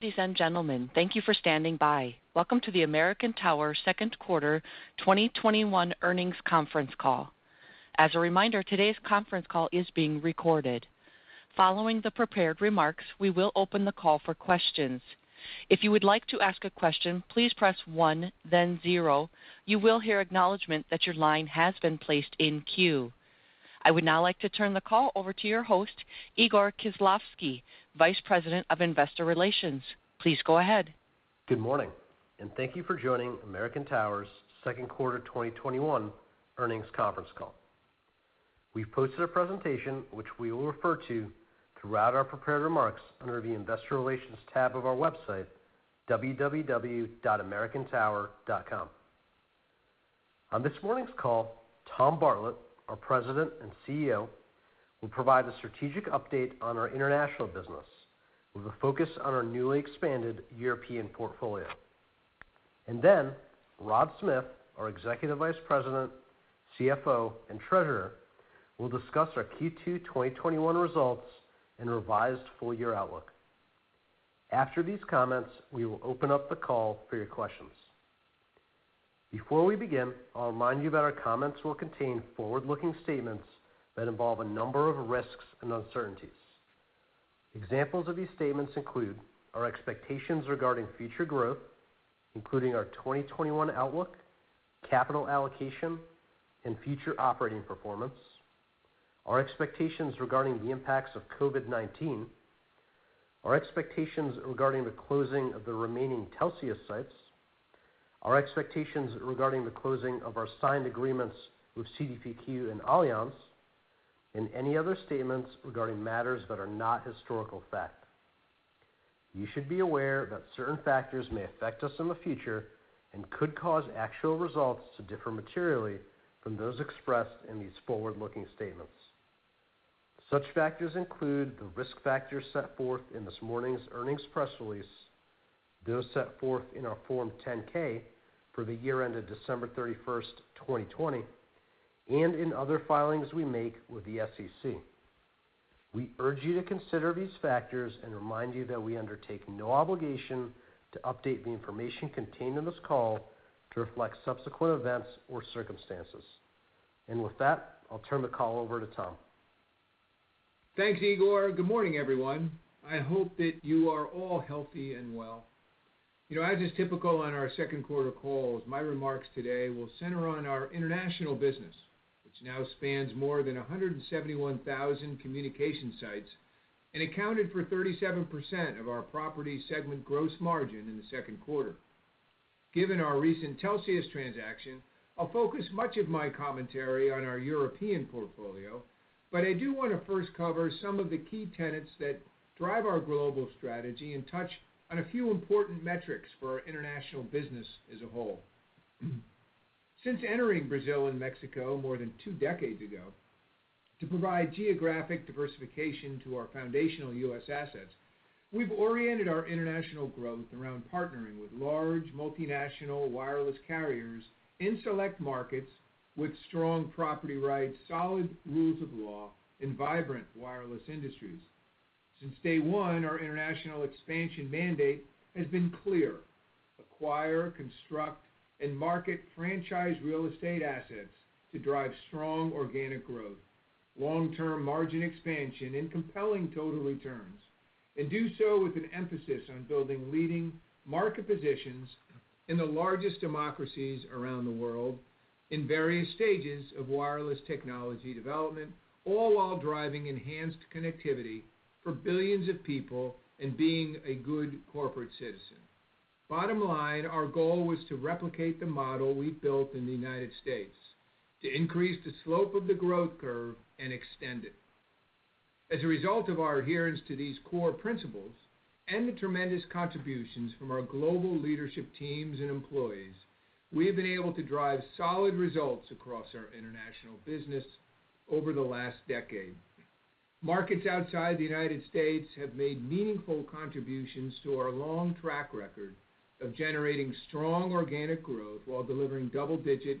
Following the prepared remarks, we will open the call for questions. I would now like to turn the call over to your host, Igor Khislavsky, Vice President of Investor Relations. Please go ahead. Good morning, and thank you for joining American Tower's Q2 2021 earnings conference call. We've posted a presentation, which we will refer to throughout our prepared remarks under the Investor Relations tab of our website, www.americantower.com. On this morning's call, Tom Bartlett, our President and CEO, will provide a strategic update on our international business with a focus on our newly expanded European portfolio. Then Rodney M. Smith, our Executive Vice President, CFO, and Treasurer, will discuss our Q2 2021 results and revised full-year outlook. After these comments, we will open up the call for your questions. Before we begin, I'll remind you that our comments will contain forward-looking statements that involve a number of risks and uncertainties. Examples of these statements include our expectations regarding future growth, including our 2021 outlook, capital allocation, and future operating performance, our expectations regarding the impacts of COVID-19, our expectations regarding the closing of the remaining Telxius sites, our expectations regarding the closing of our signed agreements with CDPQ and Allianz, and any other statements regarding matters that are not historical fact. You should be aware that certain factors may affect us in the future and could cause actual results to differ materially from those expressed in these forward-looking statements. Such factors include the risk factors set forth in this morning's earnings press release, those set forth in our Form 10-K for the year ended December 31st, 2020, and in other filings we make with the SEC. We urge you to consider these factors and remind you that we undertake no obligation to update the information contained in this call to reflect subsequent events or circumstances. With that, I'll turn the call over to Tom. Thanks, Igor. Good morning, everyone. I hope that you are all healthy and well. As is typical on our Q2 calls, my remarks today will center on our international business, which now spans more than 171,000 communication sites and accounted for 37% of our property segment gross margin in the Q2. Given our recent Telxius transaction, I'll focus much of my commentary on our European portfolio, but I do want to first cover some of the key tenets that drive our global strategy and touch on a few important metrics for our international business as a whole. Since entering Brazil and Mexico more than two decades ago to provide geographic diversification to our foundational U.S. assets, We've oriented our international growth around partnering with large multinational wireless carriers in select markets with strong property rights, solid rules of law, and vibrant wireless industries. Since day one, our international expansion mandate has been clear: acquire, construct, and market franchise real estate assets to drive strong organic growth, long-term margin expansion, and compelling total returns, and do so with an emphasis on building leading market positions in the largest democracies around the world in various stages of wireless technology development, all while driving enhanced connectivity for billions of people and being a good corporate citizen. Bottom line, our goal was to replicate the model we've built in the U.S. to increase the slope of the growth curve and extend it. As a result of our adherence to these core principles and the tremendous contributions from our global leadership teams and employees, we have been able to drive solid results across our international business over the last decade. Markets outside the U.S. have made meaningful contributions to our long track record of generating strong organic growth while delivering double-digit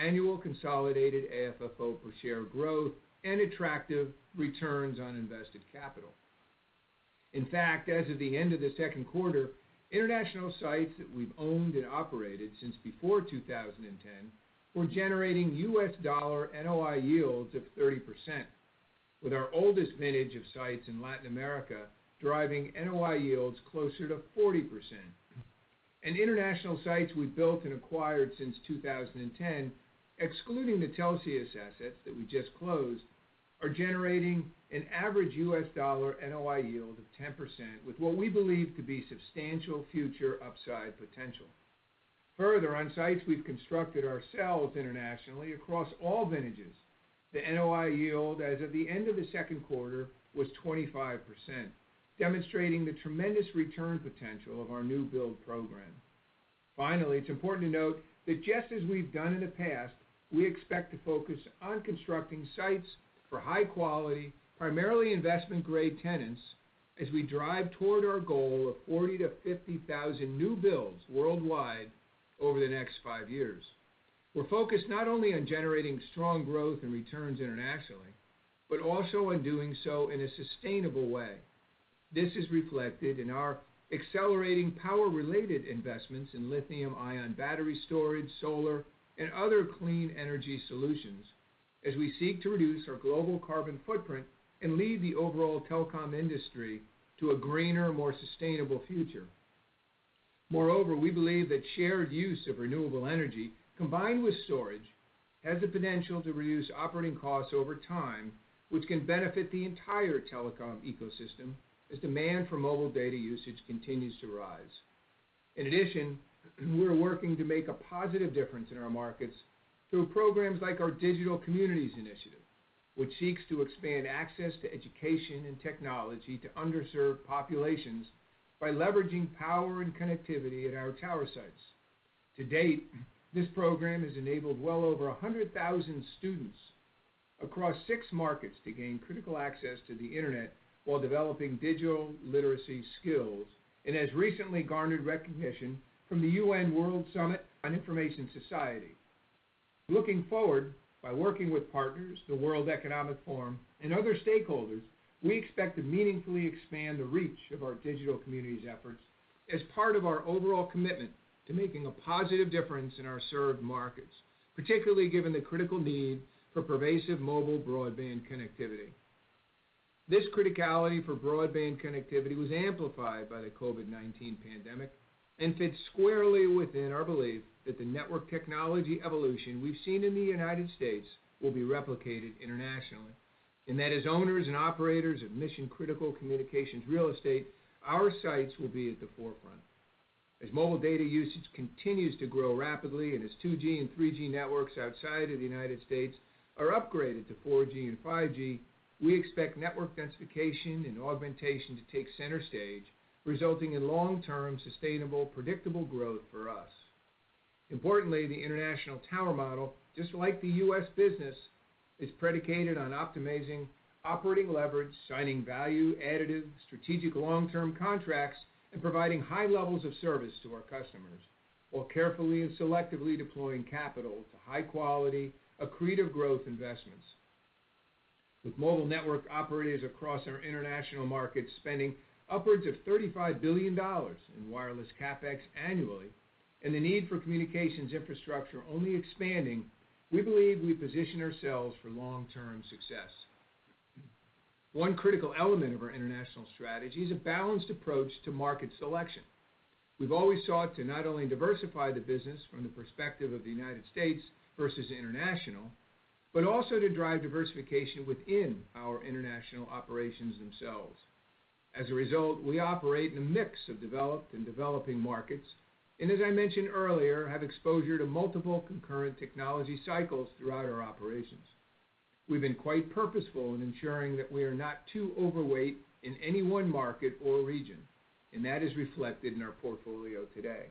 annual consolidated AFFO per share growth and attractive returns on invested capital. In fact, as of the end of the Q2, international sites that we've owned and operated since before 2010 were generating $ NOI yields of 30%, with our oldest vintage of sites in Latin America driving NOI yields closer to 40%. International sites we've built and acquired since 2010, excluding the Telxius assets that we just closed, are generating an average $ NOI yield of 10% with what we believe to be substantial future upside potential. Further, on sites we've constructed ourselves internationally across all vintages, the NOI yield as of the end of the Q2 was 25%, demonstrating the tremendous return potential of our new build program. Finally, it's important to note that just as we've done in the past, we expect to focus on constructing sites for high quality, primarily investment-grade tenants as we drive toward our goal of 40,000-50,000 new builds worldwide over the next five years. We're focused not only on generating strong growth and returns internationally but also in doing so in a sustainable way. This is reflected in our accelerating power-related investments in lithium-ion battery storage, solar, and other clean energy solutions as we seek to reduce our global carbon footprint and lead the overall telecom industry to a greener, more sustainable future. Moreover, we believe that shared use of renewable energy, combined with storage, has the potential to reduce operating costs over time, which can benefit the entire telecom ecosystem as demand for mobile data usage continues to rise. In addition, we're working to make a positive difference in our markets through programs like our Digital Communities Initiative, which seeks to expand access to education and technology to underserved populations by leveraging power and connectivity at our tower sites. To date, this program has enabled well over 100,000 students across six markets to gain critical access to the internet while developing digital literacy skills and has recently garnered recognition from the UN World Summit on the Information Society. Looking forward, by working with partners, The World Economic Forum, and other stakeholders, we expect to meaningfully expand the reach of our Digital Communities efforts as part of our overall commitment to making a positive difference in our served markets, particularly given the critical need for pervasive mobile broadband connectivity. This criticality for broadband connectivity was amplified by the COVID-19 pandemic and fits squarely within our belief that the network technology evolution we've seen in the U.S. will be replicated internationally, and that as owners and operators of mission-critical communications real estate, our sites will be at the forefront. As mobile data usage continues to grow rapidly and as 2G and 3G networks outside of the United States are upgraded to 4G and 5G, we expect network densification and augmentation to take center stage, resulting in long-term sustainable, predictable growth for us. Importantly, the international tower model, just like the U.S. business, is predicated on optimizing operating leverage, signing value-additive strategic long-term contracts, and providing high levels of service to our customers, while carefully and selectively deploying capital to high-quality, accretive growth investments. With mobile network operators across our international markets spending upwards of $35 billion in wireless CapEx annually and the need for communications infrastructure only expanding, we believe we position ourselves for long-term success. One critical element of our international strategy is a balanced approach to market selection. We've always sought to not only diversify the business from the perspective of the United States versus international, but also to drive diversification within our international operations themselves. As a result, we operate in a mix of developed and developing markets, and as I mentioned earlier, have exposure to multiple concurrent technology cycles throughout our operations. We've been quite purposeful in ensuring that we are not too overweight in any one market or region, and that is reflected in our portfolio today.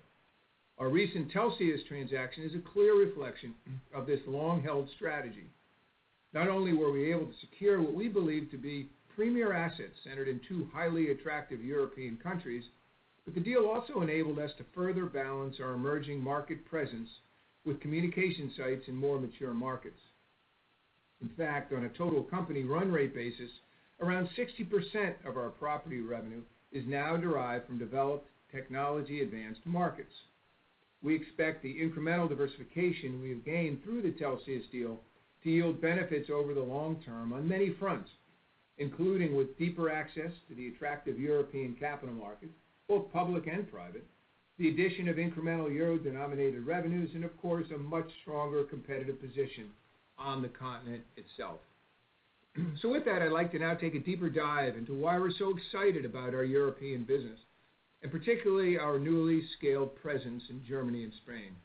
Our recent Telxius transaction is a clear reflection of this long-held strategy. Not only were we able to secure what we believe to be premier assets centered in two highly attractive European countries, but the deal also enabled us to further balance our emerging market presence with communication sites in more mature markets. In fact, on a total company run rate basis, around 60% of our property revenue is now derived from developed, technology-advanced markets. We expect the incremental diversification we have gained through the Telxius deal to yield benefits over the long term on many fronts, including with deeper access to the attractive European capital markets, both public and private, The addition of incremental euro-denominated revenues, and of course, a much stronger competitive position on the continent itself. With that, I'd like to now take a deeper dive into why we're so excited about our European business, and particularly our newly scaled presence in Germany and Spain.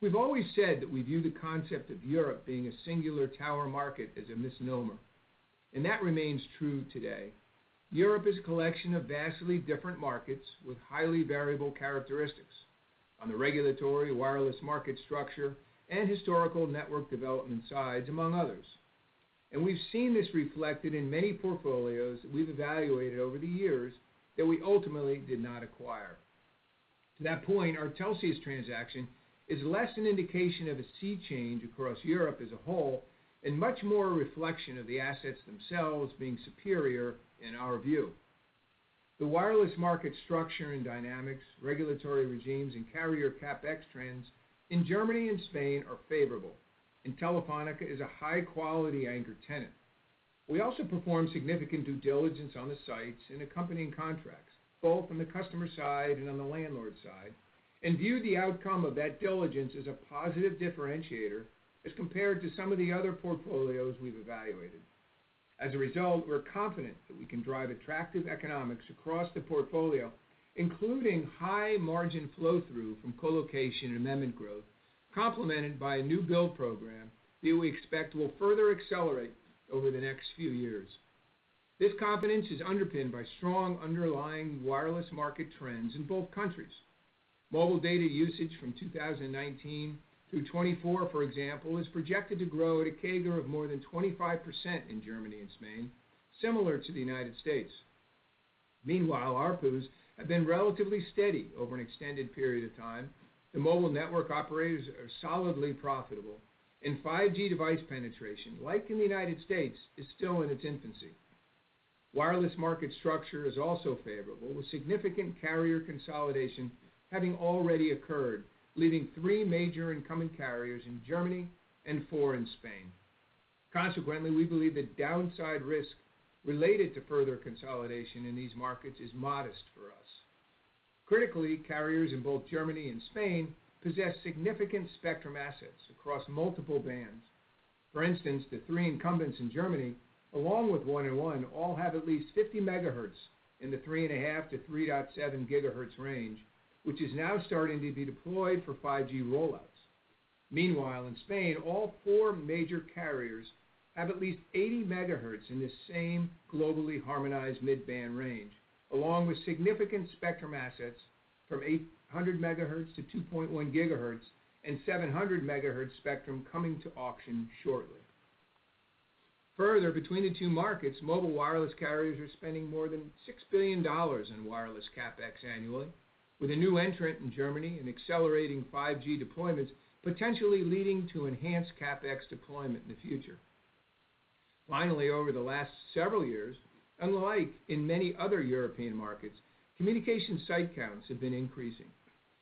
We've always said that we view the concept of Europe being a singular tower market as a misnomer, and that remains true today. Europe is a collection of vastly different markets with highly variable characteristics on the regulatory wireless market structure and historical network development sides, among others. We've seen this reflected in many portfolios that we've evaluated over the years that we ultimately did not acquire. To that point, our Telxius transaction is less an indication of a sea change across Europe as a whole and much more a reflection of the assets themselves being superior in our view. The wireless market structure and dynamics, regulatory regimes, and carrier CapEx trends in Germany and Spain are favorable, and Telefonica is a high-quality anchor tenant. We also performed significant due diligence on the sites and accompanying contracts, both from the customer side and on the landlord side, and view the outcome of that diligence as a positive differentiator as compared to some of the other portfolios we've evaluated. As a result, we're confident that we can drive attractive economics across the portfolio, including high margin flow-through from co-location and amendment growth, complemented by a new build program that we expect will further accelerate over the next few years. This confidence is underpinned by strong underlying wireless market trends in both countries. Mobile data usage from 2019 through 2024, for example, is projected to grow at a CAGR of more than 25% in Germany and Spain, similar to the United States. Meanwhile, ARPUs have been relatively steady over an extended period of time. The mobile network operators are solidly profitable. 5G device penetration, like in the U.S., is still in its infancy. Wireless market structure is also favorable, with significant carrier consolidation having already occurred, leaving three major incumbent carriers in Germany and four in Spain. Consequently, we believe that downside risk related to further consolidation in these markets is modest for us. Critically, carriers in both Germany and Spain possess significant spectrum assets across multiple bands. For instance, the three incumbents in Germany, along with 1&1, all have at least 50 megahertz in the 3.5-3.7 GHz range, which is now starting to be deployed for 5G rollouts. Meanwhile, in Spain, all four major carriers have at least 80 megahertz in this same globally harmonized mid-band range, along with significant spectrum assets from 800 MHz-2.1 GHz and 700 MHz spectrum coming to auction shortly. Between the two markets, mobile wireless carriers are spending more than $6 billion in wireless CapEx annually, with a new entrant in Germany and accelerating 5G deployments potentially leading to enhanced CapEx deployment in the future. Over the last several years, unlike in many other European markets, communication site counts have been increasing,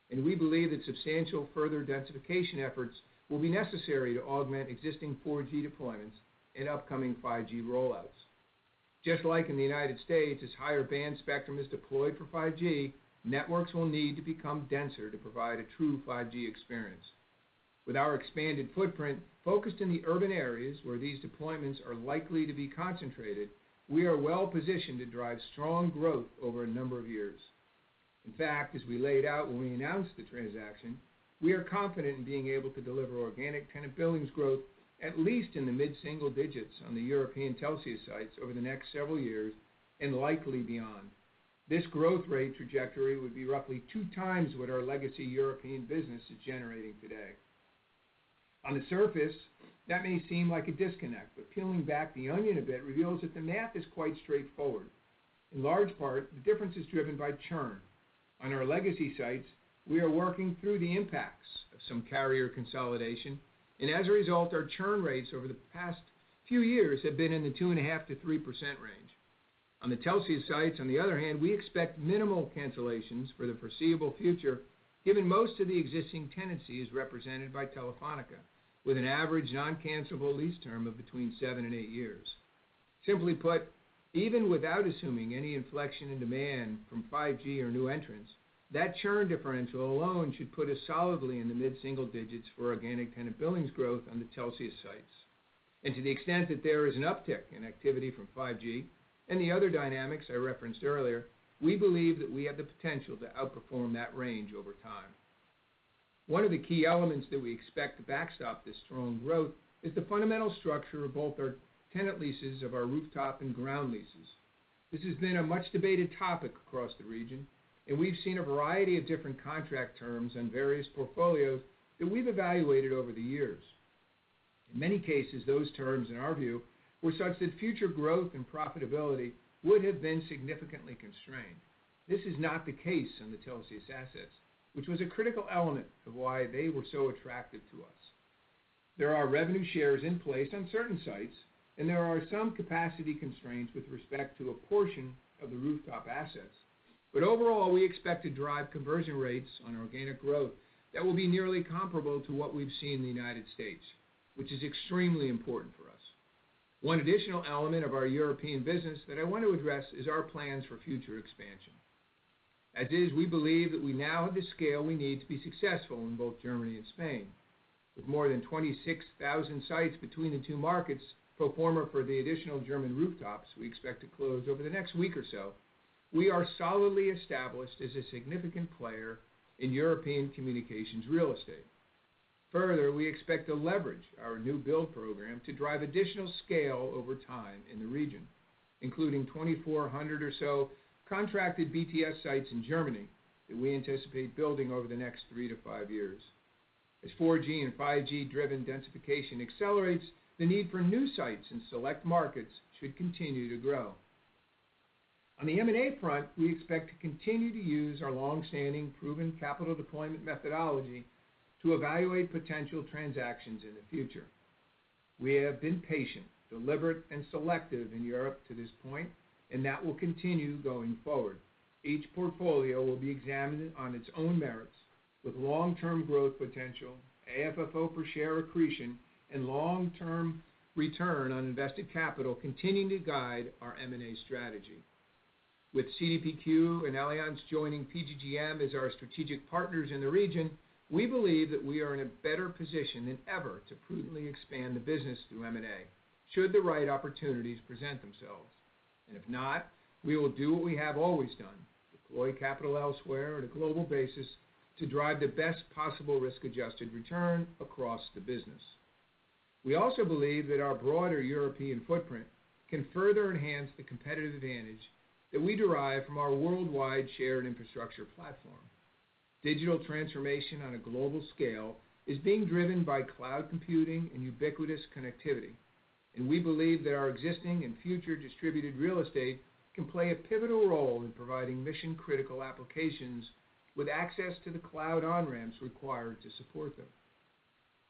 and we believe that substantial further densification efforts will be necessary to augment existing 4G deployments and upcoming 5G rollouts. Just like in the U.S., as higher band spectrum is deployed for 5G, networks will need to become denser to provide a true 5G experience. With our expanded footprint focused in the urban areas where these deployments are likely to be concentrated, we are well-positioned to drive strong growth over a number of years. In fact, as we laid out when we announced the transaction, we are confident in being able to deliver organic tenant billings growth, at least in the mid-single digits on the European Telxius sites over the next several years and likely beyond. This growth rate trajectory would be roughly 2x what our legacy European business is generating today. On the surface, that may seem like a disconnect, but peeling back the onion a bit reveals that the math is quite straightforward. In large part, the difference is driven by churn. On our legacy sites, we are working through the impacts of some carrier consolidation, and as a result, our churn rates over the past few years have been in the 2.5%-3% range. On the Telxius sites, on the other hand, we expect minimal cancellations for the foreseeable future, given most of the existing tenancy is represented by Telefónica, with an average non-cancellable lease term of between seven and eight years. Simply put, even without assuming any inflection in demand from 5G or new entrants, that churn differential alone should put us solidly in the mid-single digits for organic tenant billings growth on the Telxius sites. To the extent that there is an uptick in activity from 5G and the other dynamics I referenced earlier, we believe that we have the potential to outperform that range over time. One of the key elements that we expect to backstop this strong growth is the fundamental structure of both our tenant leases of our rooftop and ground leases. This has been a much-debated topic across the region, and we've seen a variety of different contract terms on various portfolios that we've evaluated over the years. In many cases, those terms, in our view, were such that future growth and profitability would have been significantly constrained. This is not the case on the Telxius assets, which was a critical element of why they were so attractive to us. There are revenue shares in place on certain sites, and there are some capacity constraints with respect to a portion of the rooftop assets. Overall, we expect to drive conversion rates on organic growth that will be nearly comparable to what we've seen in the U.S., which is extremely important for us. One additional element of our European business that I want to address is our plans for future expansion. As is, we believe that we now have the scale we need to be successful in both Germany and Spain. With more than 26,000 sites between the two markets, pro forma for the additional German rooftops we expect to close over the next week or so, we are solidly established as a significant player in European communications real estate. We expect to leverage our new build program to drive additional scale over time in the region, including 2,400 or so contracted BTS sites in Germany that we anticipate building over the next three to five years. As 4G and 5G-driven densification accelerates, the need for new sites in select markets should continue to grow. On the M&A front, we expect to continue to use our long-standing proven capital deployment methodology to evaluate potential transactions in the future. We have been patient, deliberate, and selective in Europe to this point. That will continue going forward. Each portfolio will be examined on its own merits with long-term growth potential, AFFO per share accretion, and long-term return on invested capital continuing to guide our M&A strategy. With CDPQ and Allianz joining PGGM as our strategic partners in the region, we believe that we are in a better position than ever to prudently expand the business through M&A should the right opportunities present themselves. If not, we will do what we have always done: deploy capital elsewhere on a global basis to drive the best possible risk-adjusted return across the business. We also believe that our broader European footprint can further enhance the competitive advantage that we derive from our worldwide shared infrastructure platform. Digital transformation on a global scale is being driven by cloud computing and ubiquitous connectivity, and we believe that our existing and future distributed real estate can play a pivotal role in providing mission-critical applications with access to the cloud on-ramps required to support them.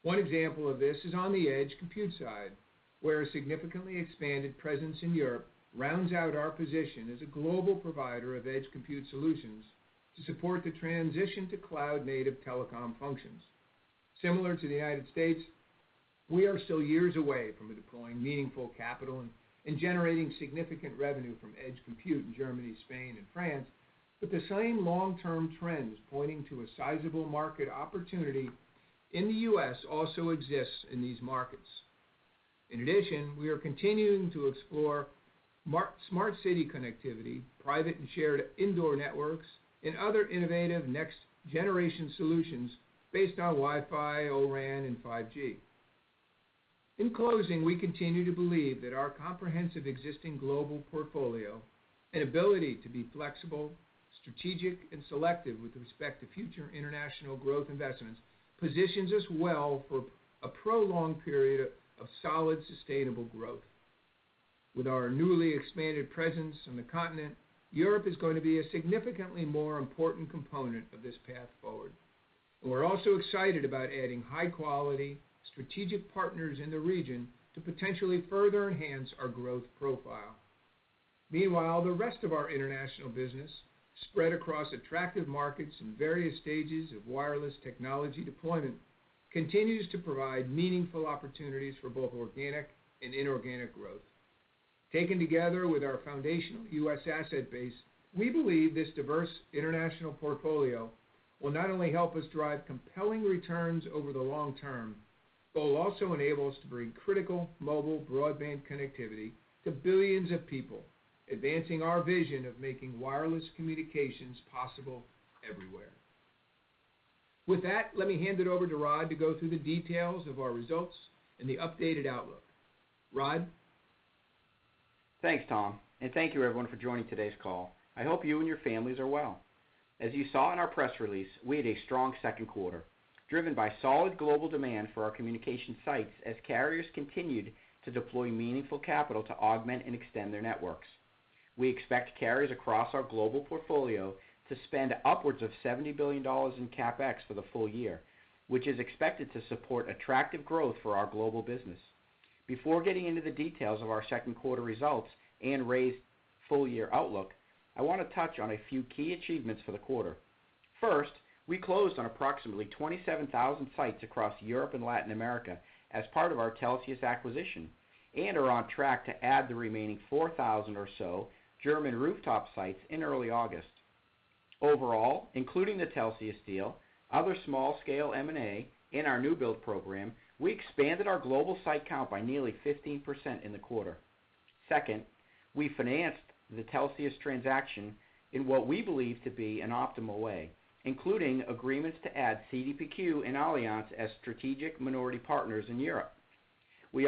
One example of this is on the edge compute side, where a significantly expanded presence in Europe rounds out our position as a global provider of edge compute solutions to support the transition to cloud-native telecom functions. Similar to the U.S., we are still years away from deploying meaningful capital and generating significant revenue from edge compute in Germany, Spain, and France, but the same long-term trends pointing to a sizable market opportunity in the U.S. also exists in these markets. In addition, we are continuing to explore smart city connectivity, private and shared indoor networks, and other innovative next-generation solutions based on Wi-Fi, O-RAN, and 5G. In closing, we continue to believe that our comprehensive existing global portfolio and ability to be flexible, strategic, and selective with respect to future international growth investments positions us well for a prolonged period of solid, sustainable growth. With our newly expanded presence on the continent, Europe is going to be a significantly more important component of this path forward. We're also excited about adding high-quality strategic partners in the region to potentially further enhance our growth profile. Meanwhile, the rest of our international business, spread across attractive markets in various stages of wireless technology deployment, continues to provide meaningful opportunities for both organic and inorganic growth. Taken together with our foundational U.S. asset base, we believe this diverse international portfolio will not only help us drive compelling returns over the long term, but will also enable us to bring critical mobile broadband connectivity to billions of people, advancing our vision of making wireless communications possible everywhere. With that, let me hand it over to Rodney to go through the details of our results and the updated outlook. Rodney? Thanks, Tom. Thank you, everyone, for joining today's call. I hope you and your families are well. As you saw in our press release, we had a strong Q2, driven by solid global demand for our communication sites as carriers continued to deploy meaningful capital to augment and extend their networks. We expect carriers across our global portfolio to spend upwards of $70 billion in CapEx for the full year, which is expected to support attractive growth for our global business. Before getting into the details of our Q2 results and raised full-year outlook, I want to touch on a few key achievements for the quarter. First, we closed on approximately 27,000 sites across Europe and Latin America as part of our Telxius acquisition and are on track to add the remaining 4,000 or so German rooftop sites in early August. Overall, including the Telxius deal, other small-scale M&A, and our new build program, we expanded our global site count by nearly 15% in the quarter. Second, we financed the Telxius transaction in what we believe to be an optimal way, including agreements to add CDPQ and Allianz as strategic minority partners in Europe.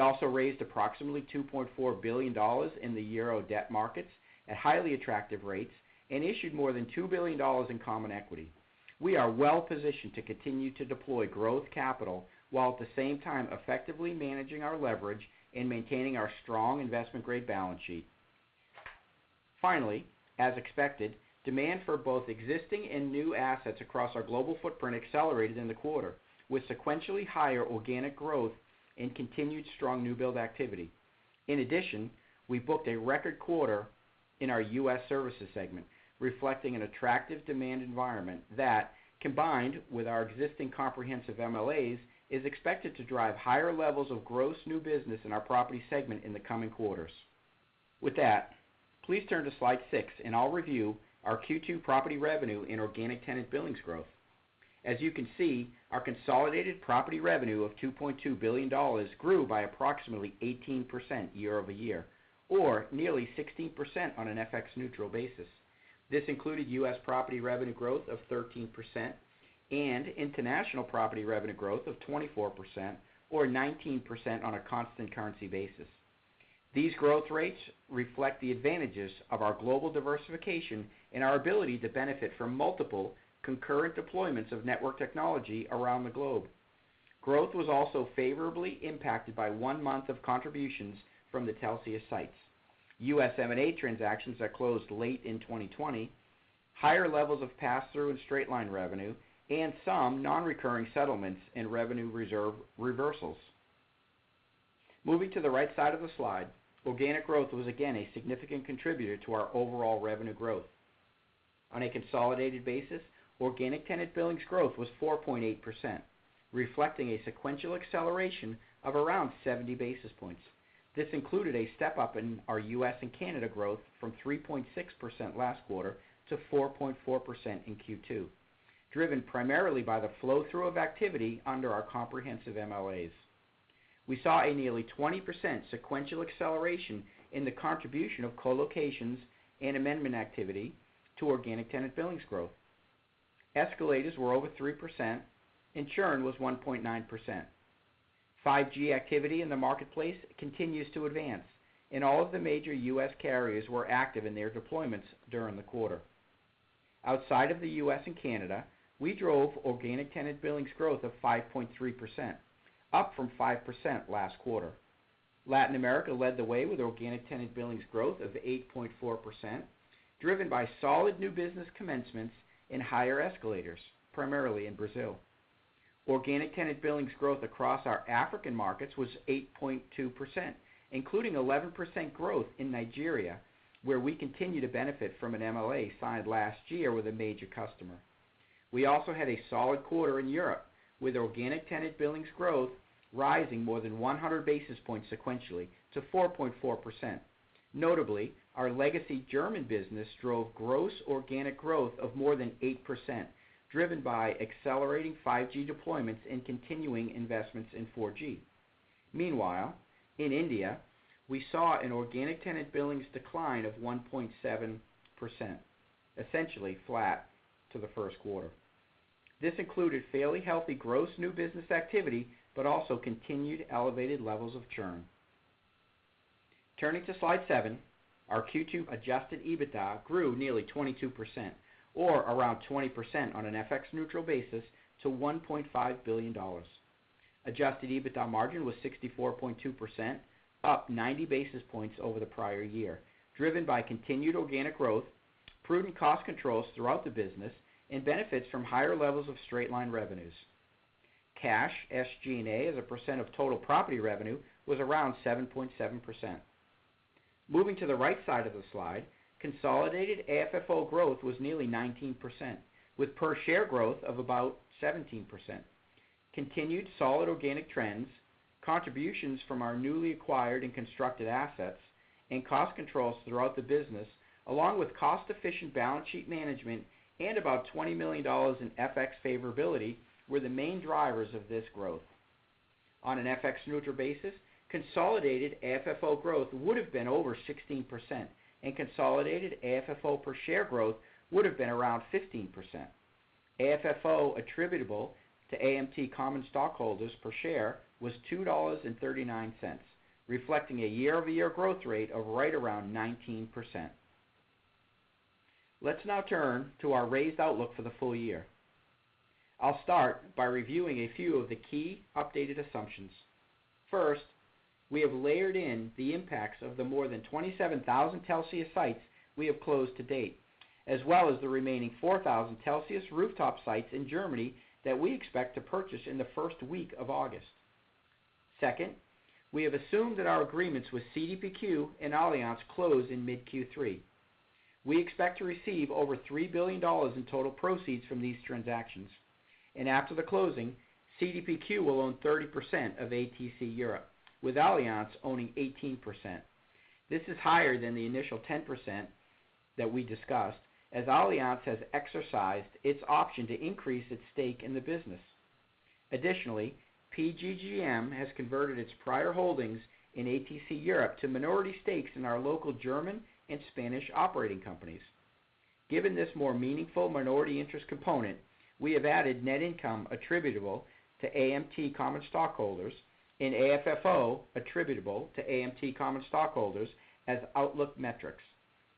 Also, we raised approximately $2.4 billion in the euro debt markets at highly attractive rates and issued more than $2 billion in common equity. We are well positioned to continue to deploy growth capital while at the same time effectively managing our leverage and maintaining our strong investment-grade balance sheet. Finally, as expected, demand for both existing and new assets across our global footprint accelerated in the quarter, with sequentially higher organic growth and continued strong new build activity. We booked a record quarter in our U.S. services segment, reflecting an attractive demand environment that, combined with our existing comprehensive MLAs, is expected to drive higher levels of gross new business in our property segment in the coming quarters. With that, please turn to slide six, and I'll review our Q2 property revenue and organic tenant billings growth. As you can see, our consolidated property revenue of $2.2 billion grew by approximately 18% year-over-year, or nearly 16% on an FX neutral basis. This included U.S. property revenue growth of 13% and international property revenue growth of 24%, or 19% on a constant currency basis. These growth rates reflect the advantages of our global diversification and our ability to benefit from multiple concurrent deployments of network technology around the globe. Growth was also favorably impacted by one month of contributions from the Telxius sites, U.S. M&A transactions that closed late in 2020, higher levels of pass-through and straight-line revenue, and some non-recurring settlements and revenue reserve reversals. Moving to the right side of the slide, organic growth was again a significant contributor to our overall revenue growth. On a consolidated basis, organic tenant billings growth was 4.8%, reflecting a sequential acceleration of around 70 basis points. This included a step-up in our U.S. and Canada growth from 3.6% last quarter to 4.4% in Q2, driven primarily by the flow-through of activity under our comprehensive MLAs. We saw a nearly 20% sequential acceleration in the contribution of co-locations and amendment activity to organic tenant billings growth. Escalators were over 3%, and churn was 1.9%. 5G activity in the marketplace continues to advance, and all of the major U.S. carriers were active in their deployments during the quarter. Outside of the U.S. and Canada, we drove organic tenant billings growth of 5.3%, up from 5% last quarter. Latin America led the way with organic tenant billings growth of 8.4%, driven by solid new business commencements and higher escalators, primarily in Brazil. Organic tenant billings growth across our African markets was 8.2%, including 11% growth in Nigeria, where we continue to benefit from an MOA signed last year with a major customer. We also had a solid quarter in Europe, with organic tenant billings growth rising more than 100 basis points sequentially to 4.4%. Notably, our legacy German business drove gross organic growth of more than 8%, driven by accelerating 5G deployments and continuing investments in 4G. Meanwhile, in India, we saw an organic tenant billings decline of 1.7%, essentially flat to the Q1. This included fairly healthy gross new business activity but also continued elevated levels of churn. Turning to slide 7, our Q2 Adjusted EBITDA grew nearly 22%, or around 20% on an FX neutral basis, to $1.5 billion. Adjusted EBITDA margin was 64.2%, up 90 basis points over the prior year, driven by continued organic growth, prudent cost controls throughout the business, and benefits from higher levels of straight-line revenues. Cash SG&A as a % of total property revenue was around 7.7%. Moving to the right side of the slide, consolidated AFFO growth was nearly 19%, with per share growth of about 17%. Continued solid organic trends, contributions from our newly acquired and constructed assets, and cost controls throughout the business, along with cost-efficient balance sheet management and about $20 million in FX favorability, were the main drivers of this growth. On an FX neutral basis, consolidated AFFO growth would have been over 16%, and consolidated AFFO per share growth would have been around 15%. AFFO attributable to AMT common stockholders per share was $2.39, reflecting a year-over-year growth rate of right around 19%. Let's now turn to our raised outlook for the full year. I'll start by reviewing a few of the key updated assumptions. First, we have layered in the impacts of the more than 27,000 Telxius sites we have closed to date, as well as the remaining 4,000 Telxius rooftop sites in Germany that we expect to purchase in the first week of August. We have assumed that our agreements with CDPQ and Allianz close in mid Q3. We expect to receive over $3 billion in total proceeds from these transactions. After the closing, CDPQ will own 30% of ATC Europe, with Allianz owning 18%. This is higher than the initial 10% that we discussed, as Allianz has exercised its option to increase its stake in the business. PGGM has converted its prior holdings in ATC Europe to minority stakes in our local German and Spanish operating companies. Given this more meaningful minority interest component, we have added net income attributable to AMT common stockholders and AFFO attributable to AMT common stockholders as outlook metrics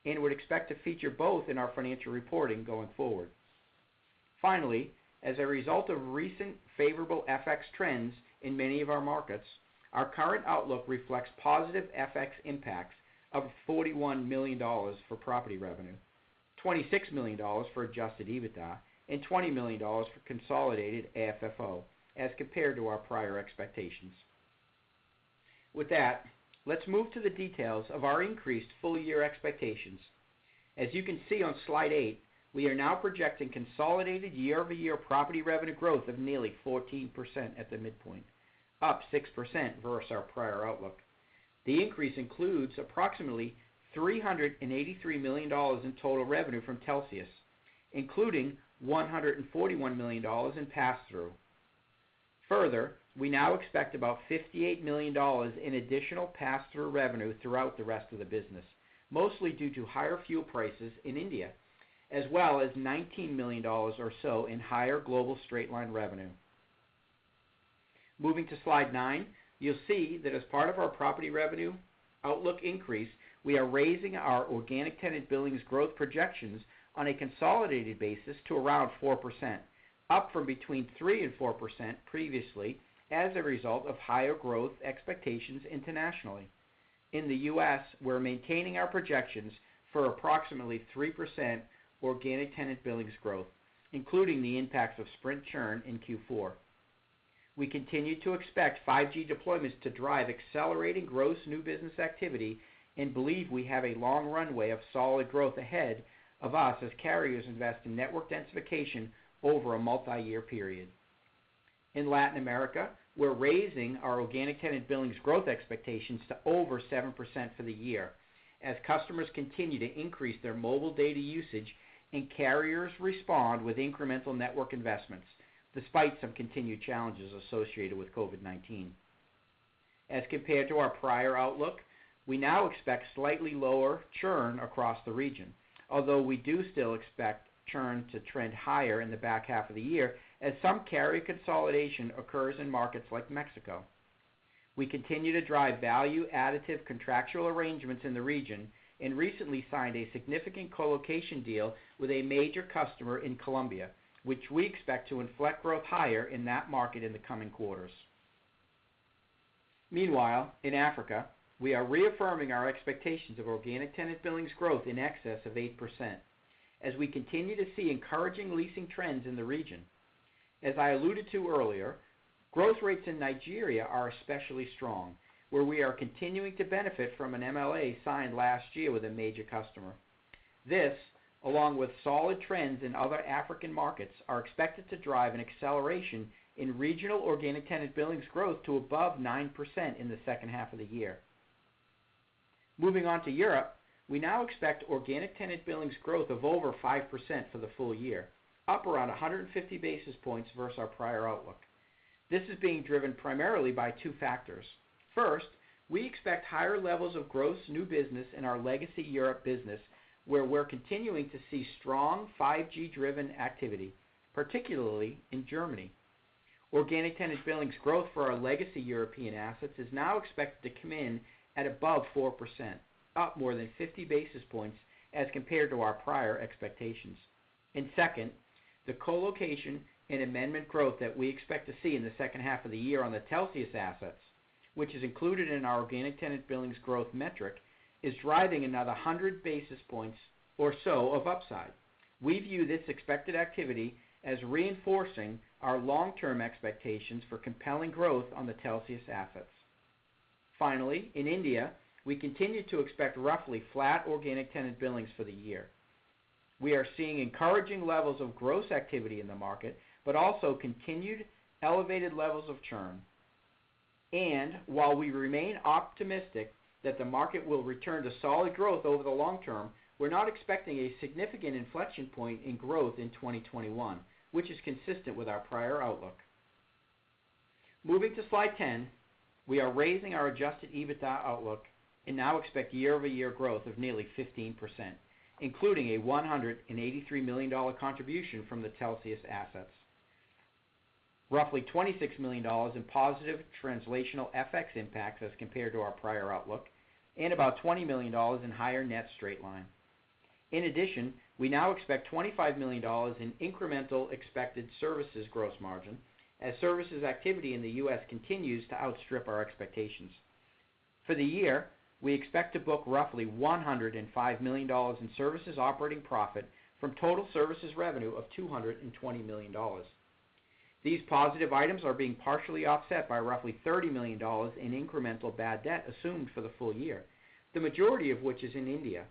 and would expect to feature both in our financial reporting going forward. Finally, as a result of recent favorable FX trends in many of our markets, our current outlook reflects positive FX impacts of $41 million for property revenue, $26 million for adjusted EBITDA, and $20 million for consolidated AFFO as compared to our prior expectations. With that, let's move to the details of our increased full-year expectations. As you can see on slide 8, we are now projecting consolidated year-over-year property revenue growth of nearly 14% at the midpoint, up 6% versus our prior outlook. The increase includes approximately $383 million in total revenue from Telxius, including $141 million in passthrough. We now expect about $58 million in additional passthrough revenue throughout the rest of the business, mostly due to higher fuel prices in India, as well as $19 million or so in higher global straight-line revenue. Moving to slide nine, you'll see that as part of our property revenue outlook increase, we are raising our organic tenant billings growth projections on a consolidated basis to around 4%, up from between 3% and 4% previously as a result of higher growth expectations internationally. In the U.S., we're maintaining our projections for approximately 3% organic tenant billings growth, including the impacts of Sprint churn in Q4. We continue to expect 5G deployments to drive accelerating gross new business activity and believe we have a long runway of solid growth ahead of us as carriers invest in network densification over a multi-year period. In Latin America, we're raising our organic tenant billings growth expectations to over 7% for the year as customers continue to increase their mobile data usage and carriers respond with incremental network investments despite some continued challenges associated with COVID-19. As compared to our prior outlook, we now expect slightly lower churn across the region, although we do still expect churn to trend higher in the back half of the year as some carrier consolidation occurs in markets like Mexico. We continue to drive value additive contractual arrangements in the region, and recently signed a significant colocation deal with a major customer in Colombia, which we expect to inflect growth higher in that market in the coming quarters. Meanwhile, in Africa, we are reaffirming our expectations of organic tenant billings growth in excess of 8% as we continue to see encouraging leasing trends in the region. As I alluded to earlier, growth rates in Nigeria are especially strong, where we are continuing to benefit from an MLA signed last year with a major customer. This, along with solid trends in other African markets, are expected to drive an acceleration in regional organic tenant billings growth to above 9% in the second half of the year. Moving on to Europe, we now expect organic tenant billings growth of over 5% for the full year, up around 150 basis points versus our prior outlook. This is being driven primarily by two factors. First, we expect higher levels of gross new business in our legacy Europe business, where we're continuing to see strong 5G-driven activity, particularly in Germany. Organic tenant billings growth for our legacy European assets is now expected to come in at above 4%, up more than 50 basis points as compared to our prior expectations. Second, the colocation and amendment growth that we expect to see in the second half of the year on the Telxius assets, which is included in our organic tenant billings growth metric, is driving another 100 basis points or so of upside. We view this expected activity as reinforcing our long-term expectations for compelling growth on the Telxius assets. Finally, in India, we continue to expect roughly flat organic tenant billings for the year. We are seeing encouraging levels of gross activity in the market but also continued elevated levels of churn. While we remain optimistic that the market will return to solid growth over the long term, we're not expecting a significant inflection point in growth in 2021, which is consistent with our prior outlook. Moving to slide 10, we are raising our adjusted EBITDA outlook and now expect year-over-year growth of nearly 15%, including a $183 million contribution from the Telxius assets. Roughly $26 million in positive translational FX impacts as compared to our prior outlook, and about $20 million in higher net straight line. In addition, we now expect $25 million in incremental expected services gross margin, as services activity in the U.S. continues to outstrip our expectations. For the year, we expect to book roughly $105 million in services operating profit from total services revenue of $220 million. These positive items are being partially offset by roughly $30 million in incremental bad debt assumed for the full year, the majority of which is in India.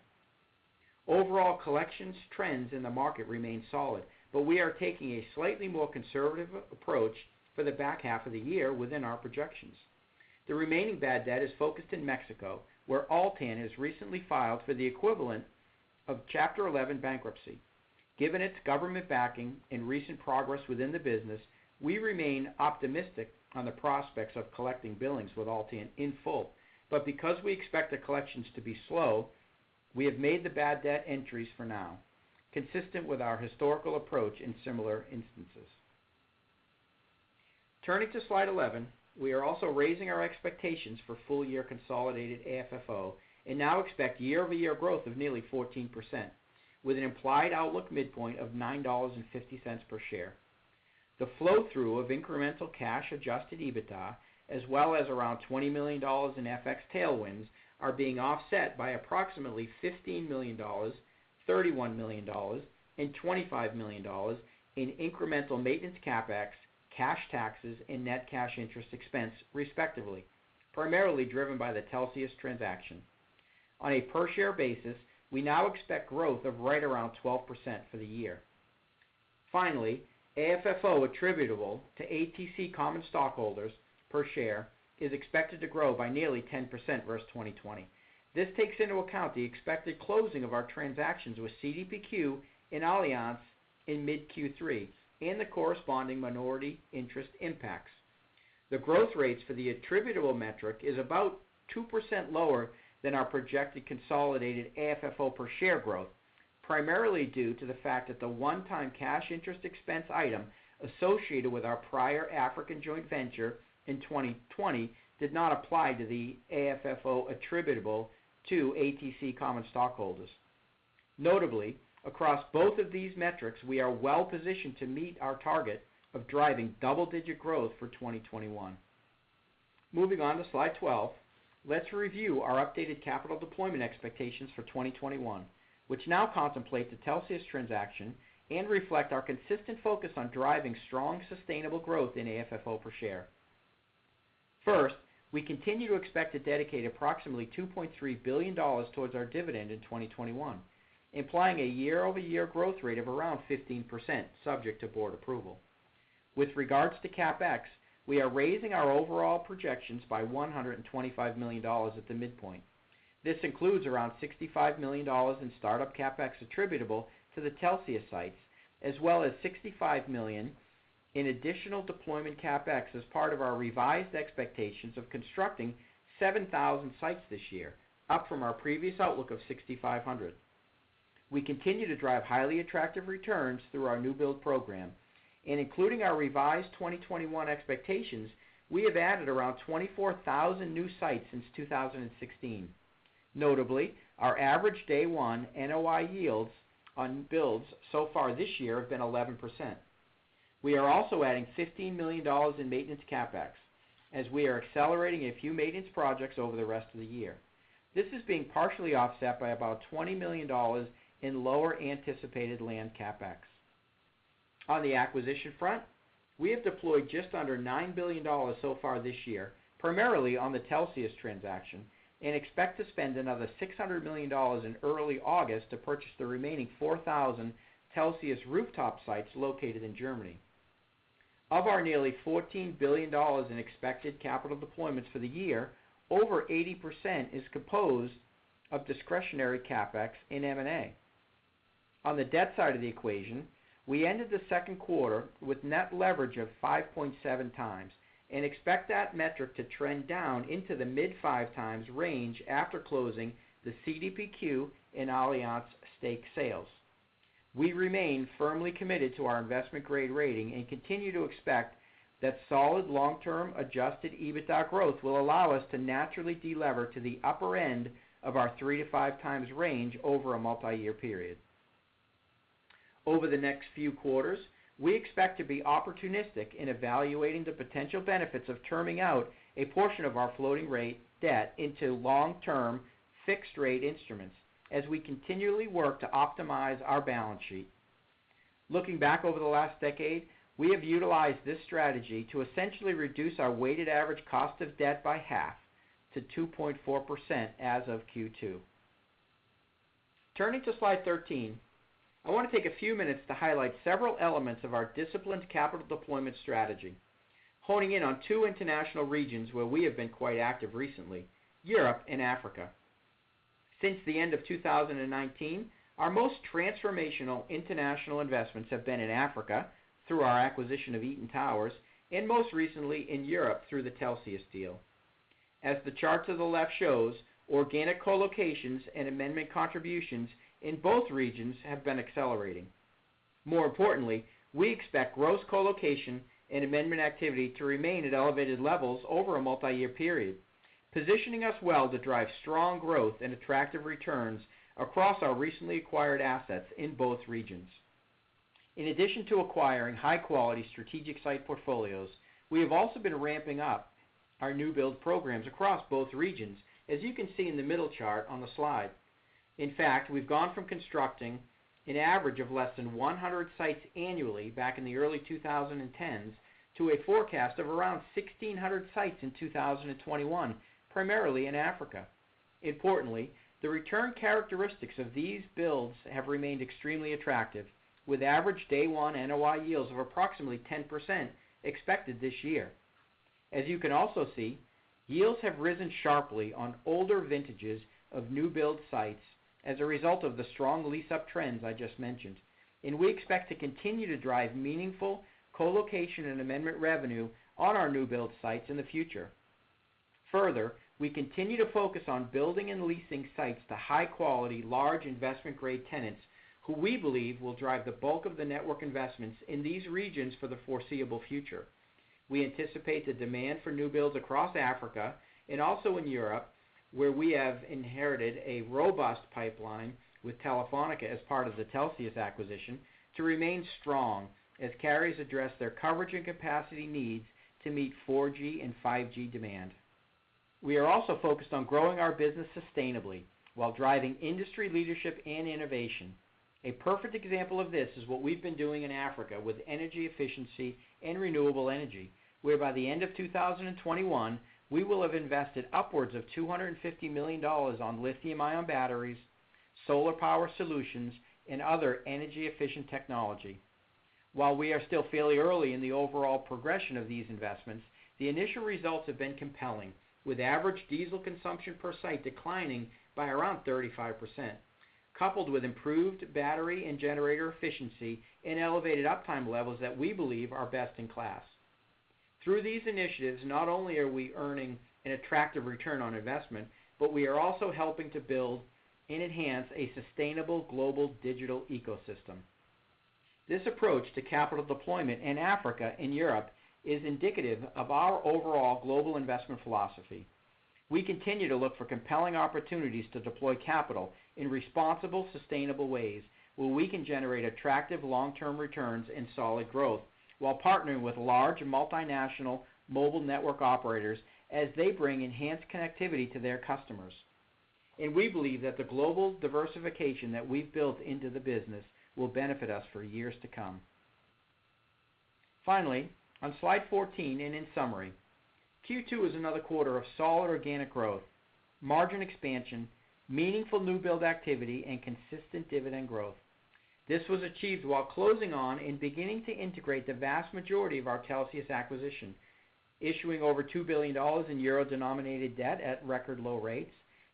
Overall collections trends in the market remain solid, but we are taking a slightly more conservative approach for the back half of the year within our projections. The remaining bad debt is focused in Mexico, where Altán has recently filed for the equivalent of Chapter 11 bankruptcy. Given its government backing and recent progress within the business, we remain optimistic on the prospects of collecting billings with Altán in full. Because we expect the collections to be slow, we have made the bad debt entries for now, consistent with our historical approach in similar instances. Turning to slide 11, we are also raising our expectations for full-year consolidated AFFO and now expect year-over-year growth of nearly 14%, with an implied outlook midpoint of $9.50 per share. The flow-through of incremental cash adjusted EBITDA, as well as around $20 million in FX tailwinds, are being offset by approximately $15 million, $31 million, and $25 million in incremental maintenance CapEx, cash taxes, and net cash interest expense, respectively, primarily driven by the Telxius transaction. On a per-share basis, we now expect growth of right around 12% for the year. Finally, AFFO attributable to ATC common stockholders per share is expected to grow by nearly 10% versus 2020. This takes into account the expected closing of our transactions with CDPQ and Allianz in mid Q3 and the corresponding minority interest impacts. The growth rates for the attributable metric is about two% lower than our projected consolidated AFFO per share growth, primarily due to the fact that the one-time cash interest expense item associated with our prior African joint venture in 2020 did not apply to the AFFO attributable to ATC common stockholders. Notably, across both of these metrics, we are well positioned to meet our target of driving double-digit growth for 2021. Moving on to slide 12, let's review our updated capital deployment expectations for 2021, which now contemplate the Telxius transaction and reflect our consistent focus on driving strong, sustainable growth in AFFO per share. We continue to expect to dedicate approximately $2.3 billion towards our dividend in 2021, implying a year-over-year growth rate of around 15%, subject to board approval. With regards to CapEx, we are raising our overall projections by $125 million at the midpoint. This includes around $65 million in startup CapEx attributable to the Telxius sites, as well as $65 million in additional deployment CapEx as part of our revised expectations of constructing 7,000 sites this year, up from our previous outlook of 6,500. We continue to drive highly attractive returns through our new build program and including our revised 2021 expectations, we have added around 24,000 new sites since 2016. Notably, our average day one NOI yields on builds so far this year have been 11%. We are also adding $15 million in maintenance CapEx as we are accelerating a few maintenance projects over the rest of the year. This is being partially offset by about $20 million in lower anticipated land CapEx. On the acquisition front, we have deployed just under $9 billion so far this year, primarily on the Telxius transaction, and expect to spend another $600 million in early August to purchase the remaining 4,000 Telxius rooftop sites located in Germany. Of our nearly $14 billion in expected capital deployments for the year, over 80% is composed of discretionary CapEx in M&A. On the debt side of the equation, we ended the Q2 with net leverage of 5.7x and expect that metric to trend down into the mid 5x range after closing the CDPQ and Allianz stake sales. We remain firmly committed to our investment-grade rating and continue to expect that solid long-term adjusted EBITDA growth will allow us to naturally de-lever to the upper end of our 3-5x range over a multi-year period. Over the next few quarters, we expect to be opportunistic in evaluating the potential benefits of terming out a portion of our floating rate debt into long-term fixed rate instruments as we continually work to optimize our balance sheet. Looking back over the last decade, we have utilized this strategy to essentially reduce our weighted average cost of debt by half to 2.4% as of Q2. Turning to slide 13, I want to take a few minutes to highlight several elements of our disciplined capital deployment strategy, honing in on two international regions where we have been quite active recently, Europe and Africa. Since the end of 2019, our most transformational international investments have been in Africa through our acquisition of Eaton Towers and most recently in Europe through the Telxius deal. As the chart to the left shows, organic co-locations and amendment contributions in both regions have been accelerating. More importantly, we expect gross colocation and amendment activity to remain at elevated levels over a multi-year period, positioning us well to drive strong growth and attractive returns across our recently acquired assets in both regions. In addition to acquiring high-quality strategic site portfolios, we have also been ramping up our new build programs across both regions as you can see in the middle chart on the slide. In fact, we've gone from constructing an average of less than 100 sites annually back in the early 2010s to a forecast of around 1,600 sites in 2021, primarily in Africa. Importantly, the return characteristics of these builds have remained extremely attractive, with average day one NOI yields of approximately 10% expected this year. As you can also see, yields have risen sharply on older vintages of new build sites as a result of the strong lease-up trends I just mentioned, and we expect to continue to drive meaningful colocation and amendment revenue on our new build sites in the future. Further, we continue to focus on building and leasing sites to high-quality, large investment-grade tenants who we believe will drive the bulk of the network investments in these regions for the foreseeable future. We anticipate the demand for new builds across Africa and also in Europe, where we have inherited a robust pipeline with Telefónica as part of the Telxius acquisition, to remain strong as carriers address their coverage and capacity needs to meet 4G and 5G demand. We are also focused on growing our business sustainably while driving industry leadership and innovation. A perfect example of this is what we've been doing in Africa with energy efficiency and renewable energy, where by the end of 2021, we will have invested upwards of $250 million on lithium-ion batteries, solar power solutions, and other energy-efficient technology. While we are still fairly early in the overall progression of these investments, the initial results have been compelling. With average diesel consumption per site declining by around 35%, coupled with improved battery and generator efficiency and elevated uptime levels that we believe are best in class. Through these initiatives, not only are we earning an attractive return on investment, but we are also helping to build and enhance a sustainable global digital ecosystem. This approach to capital deployment in Africa and Europe is indicative of our overall global investment philosophy. We continue to look for compelling opportunities to deploy capital in responsible, sustainable ways where we can generate attractive long-term returns and solid growth while partnering with large multinational mobile network operators as they bring enhanced connectivity to their customers. We believe that the global diversification that we've built into the business will benefit us for years to come. Finally, on slide 14 and in summary, Q2 is another quarter of solid organic growth, margin expansion, meaningful new build activity, and consistent dividend growth. This was achieved while closing on and beginning to integrate the vast majority of our Telxius acquisition, issuing over EUR 2 billion in euro-denominated debt at record low rates,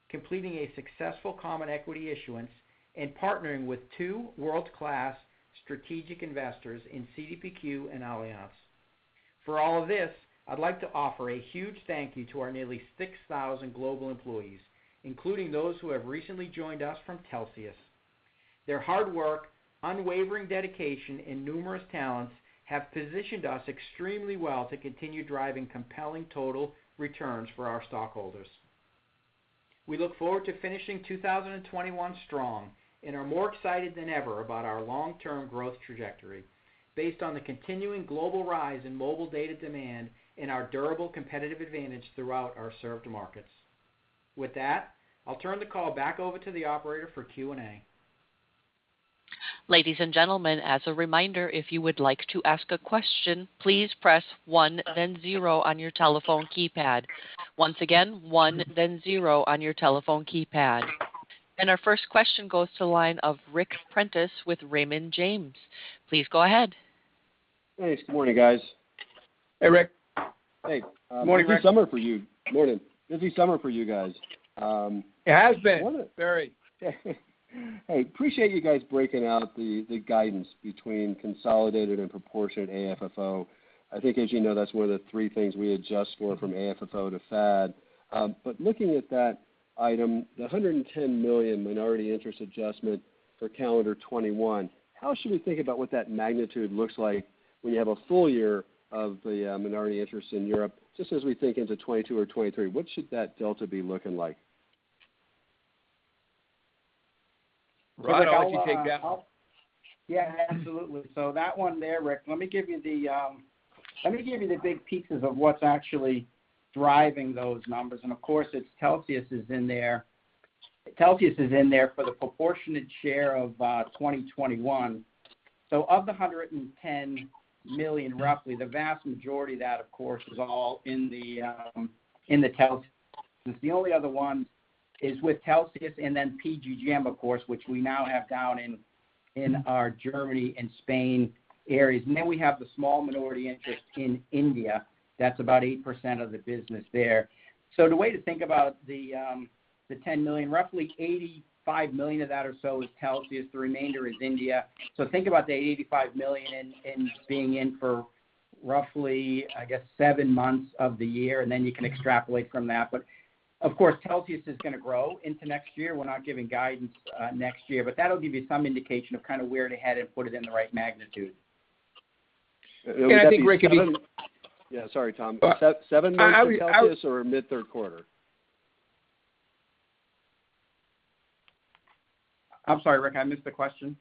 completing a successful common equity issuance, and partnering with two world-class strategic investors in CDPQ and Allianz. For all of this, I'd like to offer a huge thank you to our nearly 6,000 global employees, including those who have recently joined us from Telxius. Their hard work, unwavering dedication, and numerous talents have positioned us extremely well to continue driving compelling total returns for our stockholders. We look forward to finishing 2021 strong and are more excited than ever about our long-term growth trajectory based on the continuing global rise in mobile data demand and our durable competitive advantage throughout our served markets. With that, I'll turn the call back over to the operator for Q&A. Ladies and gentlemen, as a reminder, if you would like to ask a question, please press one then zero on your telephone keypad. Once again, one then zero on your telephone keypad. Our first question goes to the line of Ric Prentiss with Raymond James. Please go ahead. Thanks. Good morning, guys. Hey, Ric. Hey. Good morning, Ric. Busy summer for you. Morning. Busy summer for you guys. It has been. Wasn't it? Very. Hey, appreciate you guys breaking out the guidance between consolidated and proportionate AFFO. I think as you know, that's one of the three things we adjust for from AFFO to FAD. Looking at that item, the $110 million minority interest adjustment for calendar 2021, how should we think about what that magnitude looks like when you have a full year of the minority interest in Europe? Just as we think into 2022 or 2023, what should that delta be looking like? Rodney, why don't you take that one? Yeah, absolutely. That one there, Ric Prentiss, let me give you the big pieces of what's actually driving those numbers. Of course, it's Telxius is in there. Telxius is in there for the proportionate share of 2021. Of the $110 million, roughly, the vast majority of that, of course, is all in the Telxius. The only other one is with Telxius and then PGGM, of course, which we now have down in our Germany and Spain areas. Then we have the small minority interest in India. That's about 8% of the business there. The way to think about the $10 million, roughly $85 million of that or so is Telxius. The remainder is India. Think about the $85 million in being in for roughly, I guess, seven months of the year, and then you can extrapolate from that. Of course, Telxius is going to grow into next year. We're not giving guidance next year, but that'll give you some indication of where to head and put it in the right magnitude. I think, Ric. Yeah, sorry, Tom. Seven months of Telxius or mid Q3? I'm sorry, Ric, I missed the question.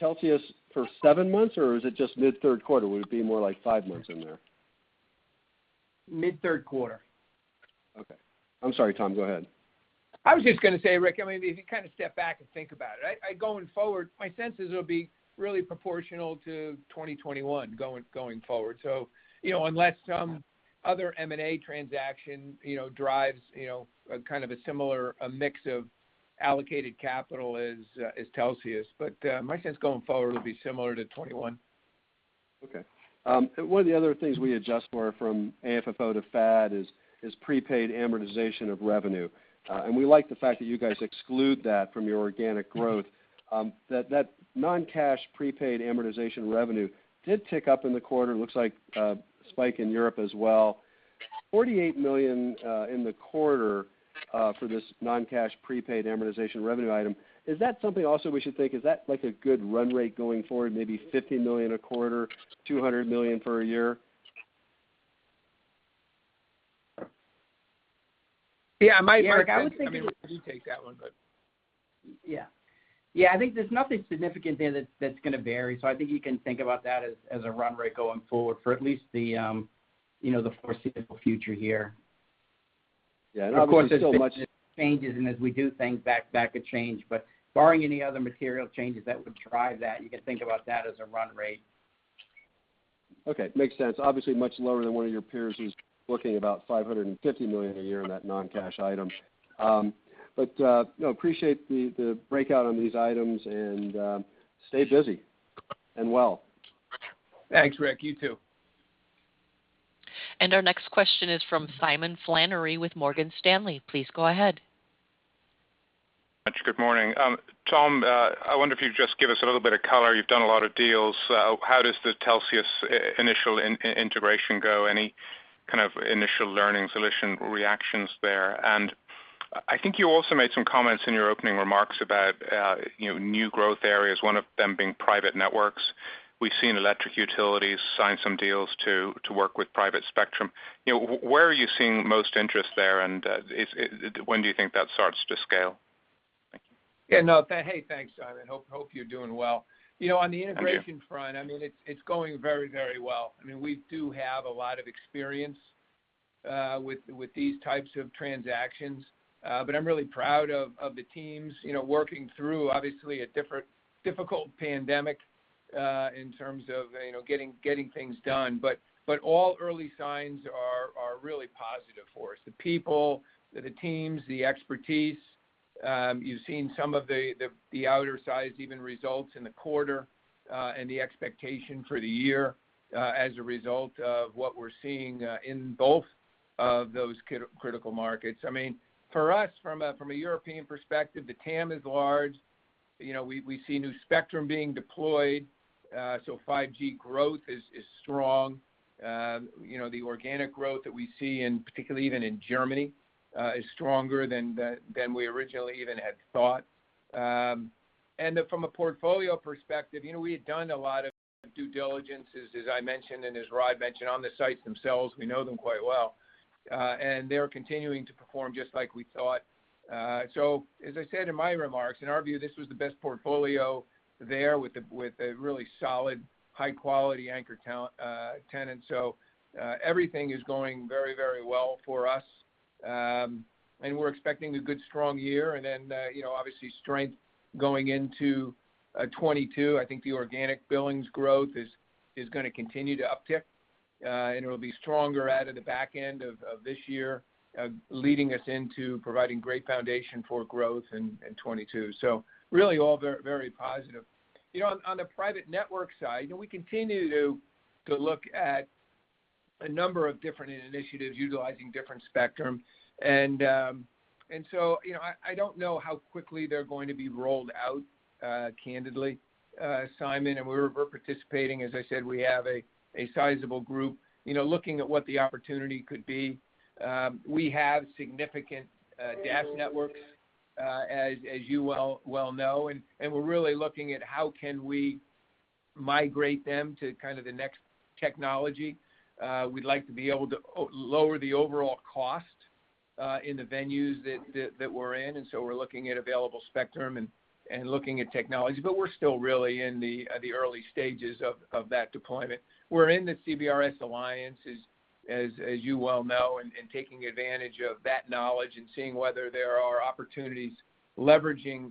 Telxius for seven months, or is it just mid Q3? Would it be more like five months in there? Mid Q3. Okay. I'm sorry, Tom, go ahead. I was just going to say, Ric, if you step back and think about it, going forward, my sense is it'll be really proportional to 2021 going forward. Unless some other M&A transaction drives a similar mix of allocated capital as Telxius. My sense going forward will be similar to 2021. Okay. One of the other things we adjust for from AFFO to FAD is prepaid amortization of revenue. We like the fact that you guys exclude that from your organic growth. That non-cash prepaid amortization revenue did tick up in the quarter. It looks like a spike in Europe as well. $48 million in the quarter for this non-cash prepaid amortization revenue item. Is that something also we should think, is that like a good run rate going forward? Maybe $50 million a quarter, $200 million per year? Yeah, it might, Ric. I mean, you take that one, but. Yeah. I think there's nothing significant there that's going to vary. I think you can think about that as a run rate going forward for at least the foreseeable future here. Yeah. Of course, as things change and as we do things, that could change. Barring any other material changes that would drive that, you can think about that as a run rate. Okay. Makes sense. Obviously, much lower than one of your peers who's looking about $550 million a year on that non-cash item. No, appreciate the breakout on these items and stay busy and well. Thanks, Ric. You too. Our next question is from Simon Flannery with Morgan Stanley. Please go ahead. Thanks so much. Good morning. Tom, I wonder if you'd just give us a little bit of color. You've done a lot of deals. How does the Telxius initial integration go? Any kind of initial learning solution reactions there? I think you also made some comments in your opening remarks about new growth areas, one of them being private networks. We've seen electric utilities sign some deals to work with private spectrum. Where are you seeing most interest there? When do you think that starts to scale? Thank you. Yeah, no. Hey, thanks, Simon. Hope you're doing well. Thank you. On the integration front, it's going very well. We do have a lot of experience with these types of transactions. I'm really proud of the teams working through obviously a difficult pandemic. In terms of getting things done. All early signs are really positive for us. The people, the teams, the expertise. You've seen some of the outsize, even results in the quarter, and the expectation for the year, as a result of what we're seeing, in both of those critical markets. For us, from a European perspective, the TAM is large. We see new spectrum being deployed. 5G growth is strong. The organic growth that we see, in particularly even in Germany, is stronger than we originally even had thought. From a portfolio perspective, we had done a lot of due diligence, as I mentioned and as Rodney mentioned, on the sites themselves. We know them quite well. They're continuing to perform just like we thought. As I said in my remarks, in our view, this was the best portfolio there with a really solid, high-quality anchor tenant. Everything is going very well for us. We're expecting a good, strong year and then, obviously strength going into 2022. I think the organic billings growth is going to continue to uptick. It'll be stronger out of the back end of this year, leading us into providing great foundation for growth in 2022. Really all very positive. On the private network side, we continue to look at a number of different initiatives utilizing different spectrum. I don't know how quickly they're going to be rolled out, candidly, Simon. We're participating, as I said, we have a sizable group looking at what the opportunity could be. We have significant DAS networks, as you well know, and we're really looking at how can we migrate them to the next technology. We'd like to be able to lower the overall cost in the venues that we're in, and so we're looking at available spectrum and looking at technology, but we're still really in the early stages of that deployment. We're in the CBRS alliance, as you well know, and taking advantage of that knowledge and seeing whether there are opportunities leveraging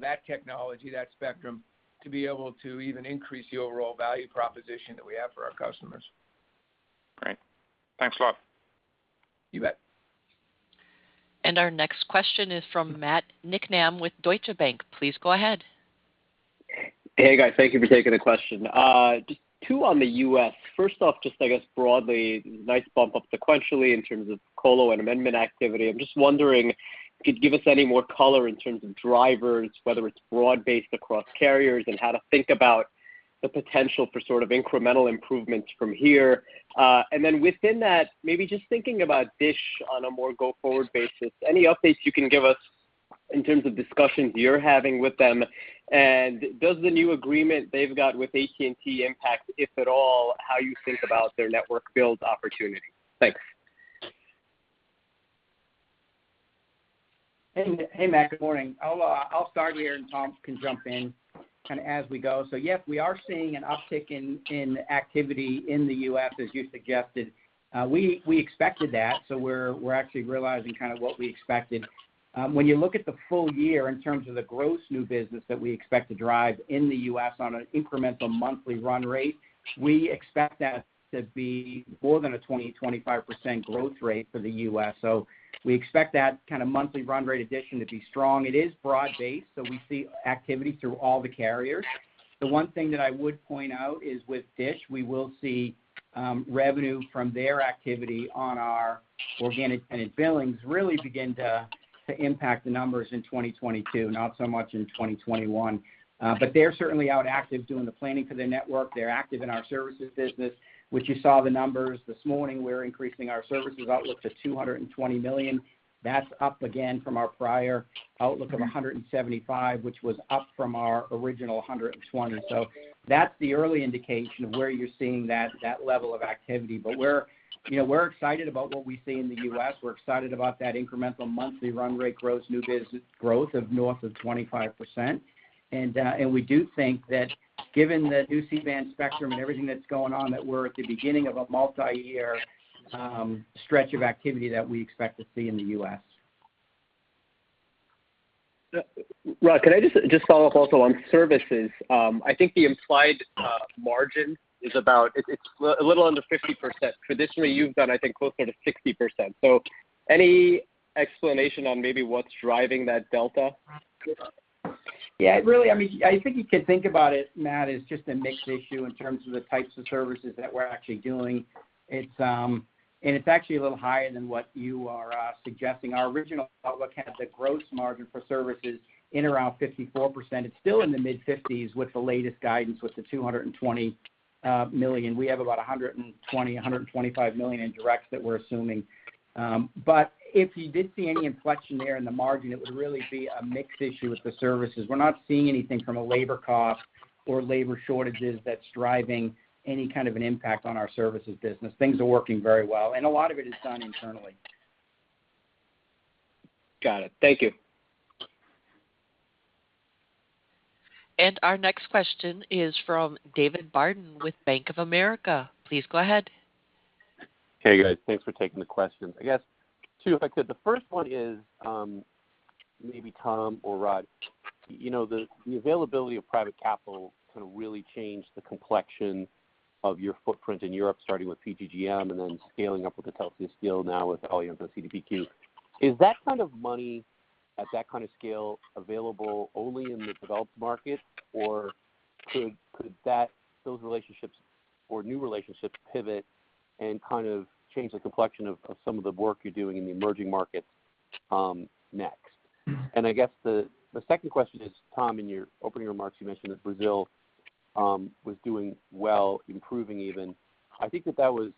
that technology, that spectrum, to be able to even increase the overall value proposition that we have for our customers. Great. Thanks a lot. You Flannery. Our next question is from Matt Niknam with Deutsche Bank. Please go ahead. Hey, guys. Thank you for taking the question. Just two on the U.S. First off, just I guess broadly, nice bump up sequentially in terms of colo and amendment activity. I'm just wondering, could you give us any more color in terms of drivers, whether it's broad based across carriers and how to think about the potential for incremental improvements from here? Then within that, maybe just thinking about Dish on a more go-forward basis. Any updates you can give us in terms of discussions you're having with them? Does the new agreement they've got with AT&T impact, if at all, how you think about their network build opportunity? Thanks. Hey, Matt, good morning. I'll start here, and Tom Bartlett can jump in as we go. Yes, we are seeing an uptick in activity in the U.S., as you suggested. We expected that, so we're actually realizing what we expected. When you look at the full year in terms of the gross new business that we expect to drive in the U.S. on an incremental monthly run rate, we expect that to be more than a 20%-25% growth rate for the U.S. We expect that kind of monthly run rate addition to be strong. It is broad-based, so we see activity through all the carriers. The one thing that I would point out is with Dish, we will see revenue from their activity on our organic billings really begin to impact the numbers in 2022, not so much in 2021. They're certainly out active doing the planning for their network. They're active in our services business, which you saw the numbers this morning. We're increasing our services outlook to $220 million. That's up again from our prior outlook of $175, which was up from our original $120. That's the early indication of where you're seeing that level of activity. We're excited about what we see in the U.S. We're excited about that incremental monthly run rate gross new business growth of north of 25%. We do think that given the new C-band spectrum and everything that's going on, that we're at the beginning of a multi-year stretch of activity that we expect to see in the U.S. Rodney, could I just follow up also on services? I think the implied margin is a little under 50%. Traditionally, you've done, I think, closer to 60%. Any explanation on maybe what's driving that delta? Yeah, I think you could think about it, Matt, as just a mix issue in terms of the types of services that we're actually doing. It's actually a little higher than what you are suggesting. Our original outlook had the gross margin for services in around 54%. It's still in the mid-50s with the latest guidance with the $220 million. We have about $120 million, $125 million in directs that we're assuming. If you did see any inflection there in the margin, it would really be a mix issue with the services. We're not seeing anything from a labor cost or labor shortages that's driving any kind of an impact on our services business. Things are working very well, a lot of it is done internally. Got it. Thank you. Our next question is from David Barden with Bank of America. Please go ahead. Hey, guys. Thanks for taking the questions. I guess two, if I could. The first one is, maybe Tom or Rodney, the availability of private capital sort of really changed the complexion of your footprint in Europe, starting with PGGM and then scaling up with the Celsius deal, now with Allianz and CDPQ. Is that kind of money at that kind of scale available only in the developed market, or could those relationships or new relationships pivot and kind of change the complexion of some of the work you're doing in the emerging markets next? I guess the second question is, Tom, in your opening remarks, you mentioned that Brazil was doing well, improving even. I think that that was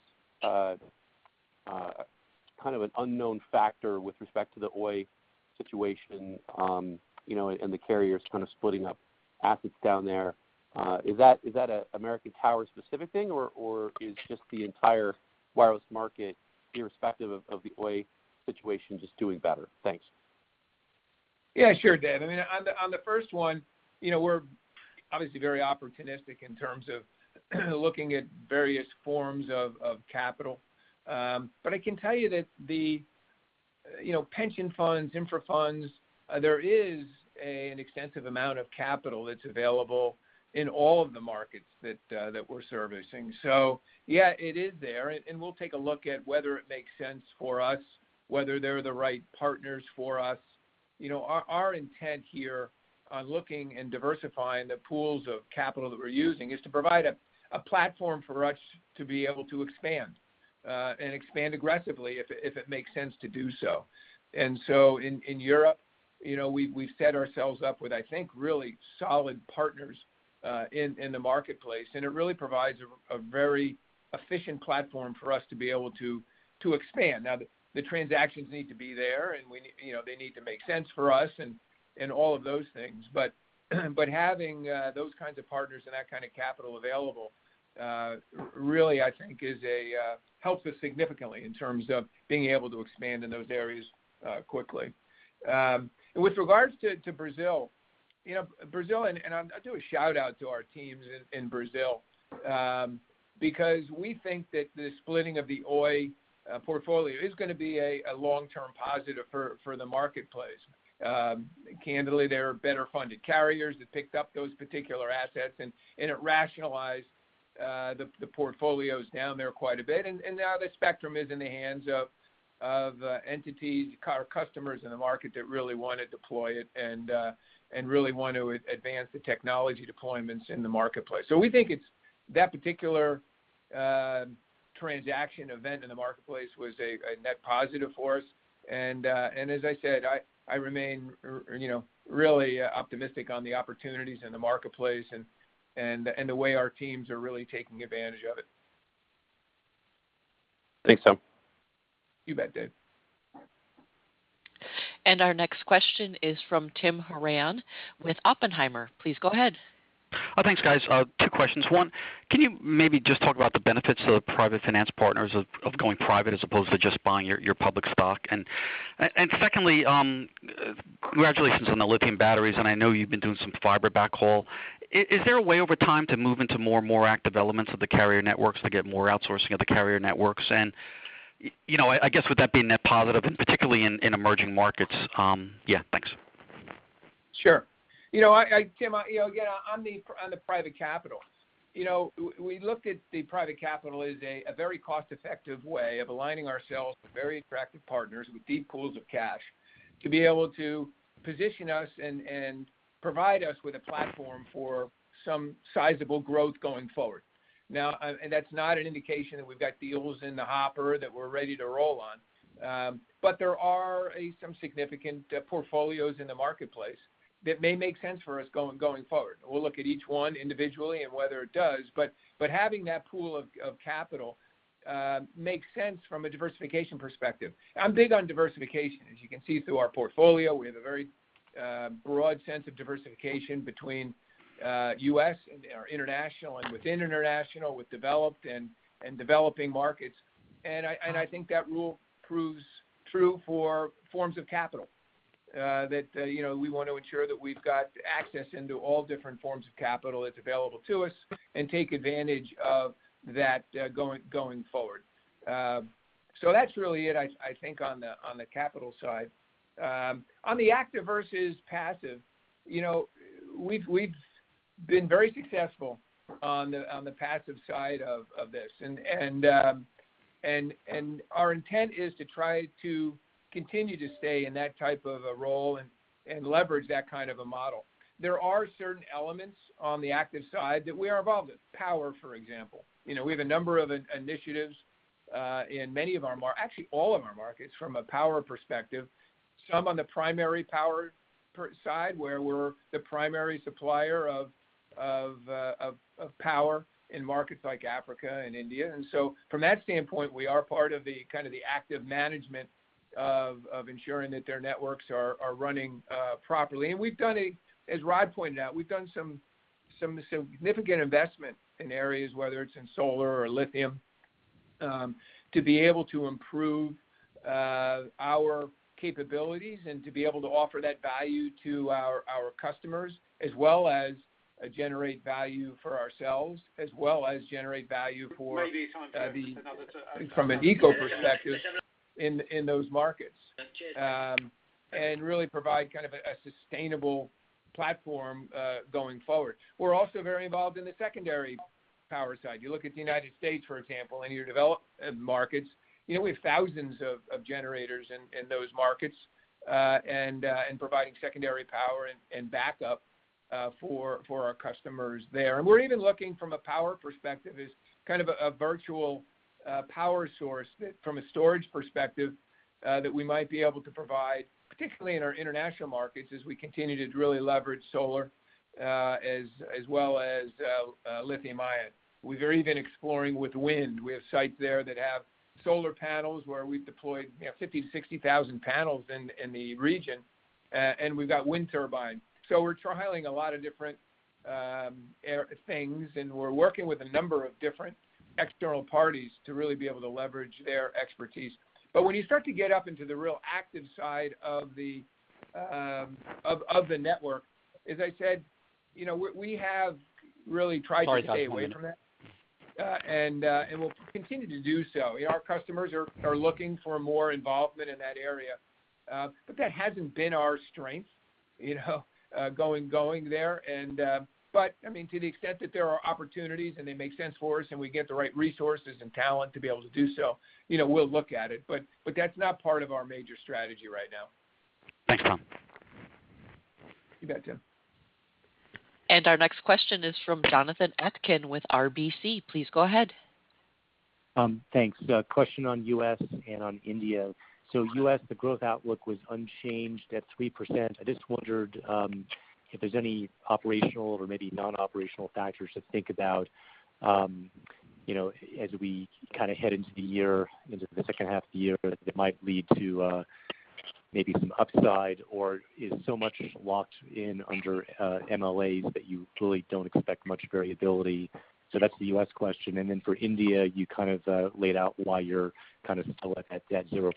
kind of an unknown factor with respect to the Oi situation, and the carriers kind of splitting up assets down there. Is that a American Tower specific thing, or is just the entire wireless market, irrespective of the Oi situation, just doing better? Thanks. Yeah, sure, David. On the first one, we're obviously very opportunistic in terms of looking at various forms of capital. I can tell you that the pension funds, infra funds, there is an extensive amount of capital that's available in all of the markets that we're servicing. Yeah, it is there, and we'll take a look at whether it makes sense for us, whether they're the right partners for us. Our intent here on looking and diversifying the pools of capital that we're using is to provide a platform for us to be able to expand, and expand aggressively if it makes sense to do so. In Europe, we've set ourselves up with, I think, really solid partners, in the marketplace, and it really provides a very efficient platform for us to be able to expand. The transactions need to be there, and they need to make sense for us and all of those things. Having those kinds of partners and that kind of capital available, really, I think helps us significantly in terms of being able to expand in those areas quickly. With regards to Brazil, I'll do a shout-out to our teams in Brazil, because we think that the splitting of the Oi portfolio is going to be a long-term positive for the marketplace. Candidly, there are better-funded carriers that picked up those particular assets, it rationalized the portfolios down there quite a bit. Now the spectrum is in the hands of entities, customers in the market that really want to deploy it and really want to advance the technology deployments in the marketplace. We think that particular transaction event in the marketplace was a net positive for us. As I said, I remain really optimistic on the opportunities in the marketplace and the way our teams are really taking advantage of it. Thanks, Tom. You bet, David. Our next question is from Timothy Horan with Oppenheimer. Please go ahead. Thanks, guys. two questions. one. Can you maybe just talk about the benefits to the private finance partners of going private as opposed to just buying your public stock? Secondly, congratulations on the lithium batteries, and I know you've been doing some fiber backhaul. Is there a way over time to move into more and more active elements of the carrier networks to get more outsourcing of the carrier networks? I guess, would that be net positive, and particularly in emerging markets? Yeah. Thanks. Sure. Timothy, again, on the private capital. We looked at the private capital as a very cost-effective way of aligning ourselves with very attractive partners with deep pools of cash to be able to position us and provide us with a platform for some sizable growth going forward. That's not an indication that we've got deals in the hopper that we're ready to roll on. There are some significant portfolios in the marketplace that may make sense for us going forward. We'll look at each one individually and whether it does, but having that pool of capital makes sense from a diversification perspective. I'm big on diversification. As you can see through our portfolio, we have a very broad sense of diversification between U.S. and our international and within international, with developed and developing markets. I think that rule proves true for forms of capital. We want to ensure that we've got access into all different forms of capital that's available to us and take advantage of that going forward. That's really it, I think, on the capital side. On the active versus passive. We've been very successful on the passive side of this. Our intent is to try to continue to stay in that type of a role and leverage that kind of a model. There are certain elements on the active side that we are involved with. Power, for example. We have a number of initiatives in actually all of our markets from a power perspective, some on the primary power side, where we're the primary supplier of power in markets like Africa and India. From that standpoint, we are part of the active management of ensuring that their networks are running properly. As Rodney pointed out, we've done some significant investment in areas, whether it's in solar or lithium, to be able to improve our capabilities and to be able to offer that value to our customers, as well as generate value for ourselves. From an eco perspective in those markets. Really provide a sustainable platform going forward. We're also very involved in the secondary power side. You look at the United States, for example, and your developed markets. We have thousands of generators in those markets, and providing secondary power and backup for our customers there. We're even looking from a power perspective as kind of a virtual power source from a storage perspective, that we might be able to provide, particularly in our international markets as we continue to really leverage solar, as well as lithium ion. We're even exploring with wind. We have sites there that have solar panels where we've deployed 50-60,000 panels in the region, and we've got wind turbines. We're trialing a lot of different things, and we're working with a number of different external parties to really be able to leverage their expertise. When you start to get up into the real active side of the network, as I said, we have really tried to stay away from it. Sorry, Tom. One minute. We'll continue to do so. Our customers are looking for more involvement in that area. That hasn't been our strength, going there. To the extent that there are opportunities and they make sense for us and we get the right resources and talent to be able to do so, we'll look at it. That's not part of our major strategy right now. Thanks, Tom. You bet, Timothy. Our next question is from Jonathan Atkin with RBC. Please go ahead. Thanks. A question on U.S. and on India. U.S., the growth outlook was unchanged at 3%. I just wondered if there's any operational or maybe non-operational factors to think about as we head into the year, into the second half of the year, that might lead to maybe some upside, or is so much locked in under MLAs that you really don't expect much variability? That's the U.S. question. For India, you laid out why you're still at that 0%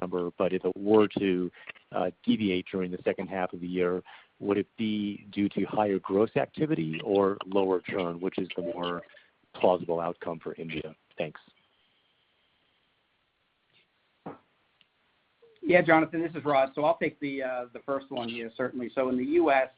number. If it were to deviate during the second half of the year, would it be due to higher gross activity or lower churn? Which is the more plausible outcome for India? Thanks. Jonathan, this is Rodney. I'll take the first one here, certainly. In the U.S.,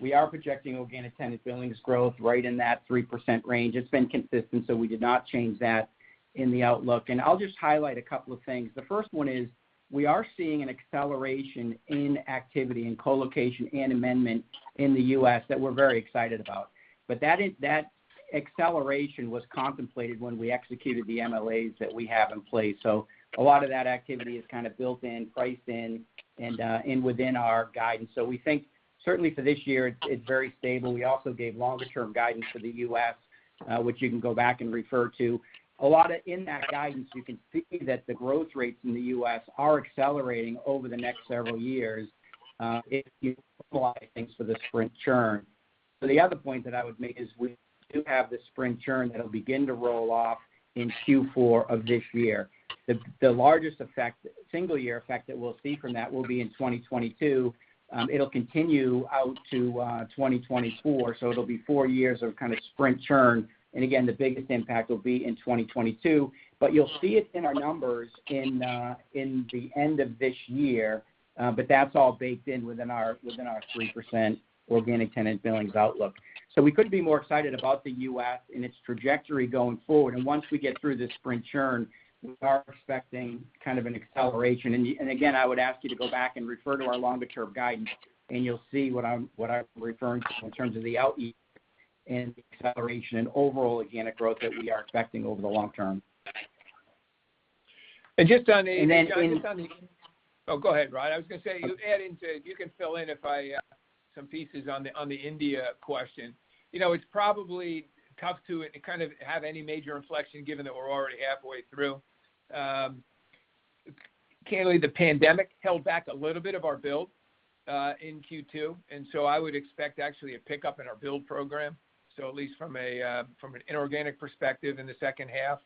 we are projecting organic tenant billings growth right in that 3% range. It's been consistent, we did not change that in the outlook. I'll just highlight a couple of things. The first one is, we are seeing an acceleration in activity in colocation and amendment in the U.S. that we're very excited about. That acceleration was contemplated when we executed the MLAs that we have in place. A lot of that activity is built in, priced in, and within our guidance. We think certainly for this year, it's very stable. We also gave longer term guidance for the U.S., which you can go back and refer to. A lot in that guidance, you can see that the growth rates in the U.S. are accelerating over the next several years if you apply things for the Sprint churn. The other point that I would make is we do have the Sprint churn that'll begin to roll off in Q4 of this year. The largest single year effect that we'll see from that will be in 2022. It'll continue out to 2024, so it'll be four years of Sprint churn. Again, the biggest impact will be in 2022. You'll see it in our numbers in the end of this year, but that's all baked in within our 3% organic tenant billings outlook. We couldn't be more excited about the U.S. and its trajectory going forward. Once we get through this Sprint churn, we are expecting an acceleration. Again, I would ask you to go back and refer to our longer term guidance, and you'll see what I'm referring to in terms of the out years and the acceleration and overall organic growth that we are expecting over the long term. And just on the, And then in, Oh, go ahead, Rodney. I was going to say, you add into it. You can fill in some pieces on the India question. It's probably tough to kind of have any major inflection given that we're already halfway through. Clearly, the pandemic held back a little bit of our build in Q2, and so I would expect actually a pickup in our build program, so at least from an inorganic perspective in the second half.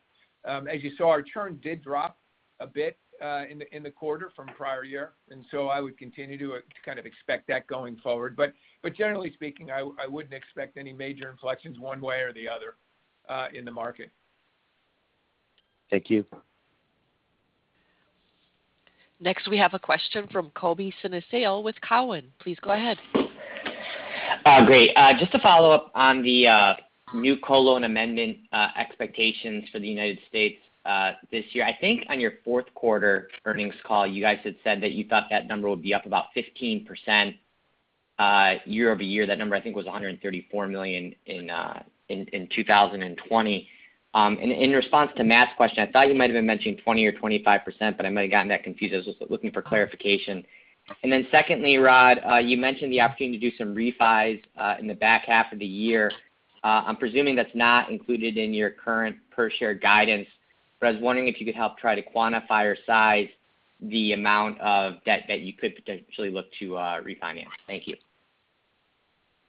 As you saw, our churn did drop a bit in the quarter from prior year. I would continue to expect that going forward. Generally speaking, I wouldn't expect any major inflections one way or the other in the market. Thank you. Next, we have a question from Colby Synesael with Cowen. Please go ahead. Great. Just to follow up on the new colo and amendment expectations for the U.S. this year. I think on your Q4 earnings call, you guys had said that you thought that number would be up about 15% year-over-year. That number, I think, was $134 million in 2020. In response to Matt's question, I thought you might have been mentioning 20% or 25%, but I might have gotten that confused. I was just looking for clarification. Secondly, Rodney, you mentioned the opportunity to do some refis in the back half of the year. I'm presuming that's not included in your current per share guidance, but I was wondering if you could help try to quantify or size the amount of debt that you could potentially look to refinance. Thank you.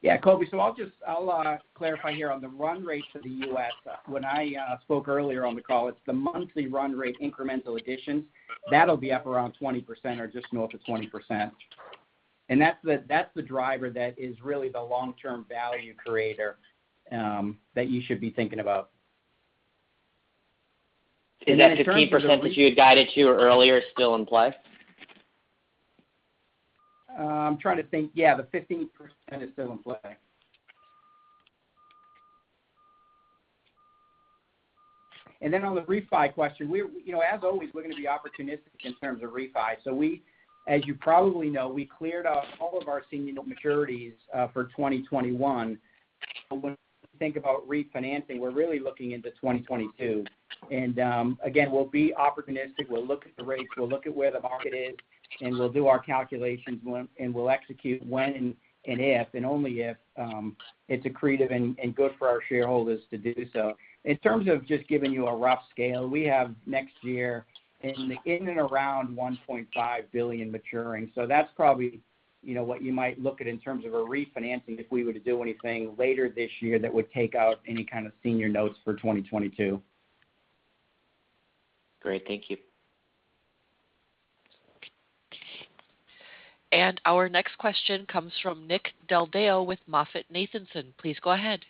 Yeah, Colby. I'll clarify here on the run rate to the U.S. When I spoke earlier on the call, it's the monthly run rate incremental additions. That'll be up around 20% or just north of 20%. That's the driver that is really the long-term value creator that you should be thinking about. Is that 15% that you had guided to earlier still in play? I'm trying to think. Yeah, the 15% is still in play. On the refi question, as always, we're going to be opportunistic in terms of refi. As you probably know, we cleared out all of our senior notes maturities for 2021. When we think about refinancing, we're really looking into 2022. Again, we'll be opportunistic. We'll look at the rates, we'll look at where the market is, and we'll do our calculations, and we'll execute when and if, and only if, it's accretive and good for our shareholders to do so. In terms of just giving you a rough scale, we have next year in and around $1.5 billion maturing. That's probably what you might look at in terms of a refinancing if we were to do anything later this year that would take out any kind of senior notes for 2022. Great. Thank you. Our next question comes from Nick Del Deo with MoffettNathanson. Please go ahead.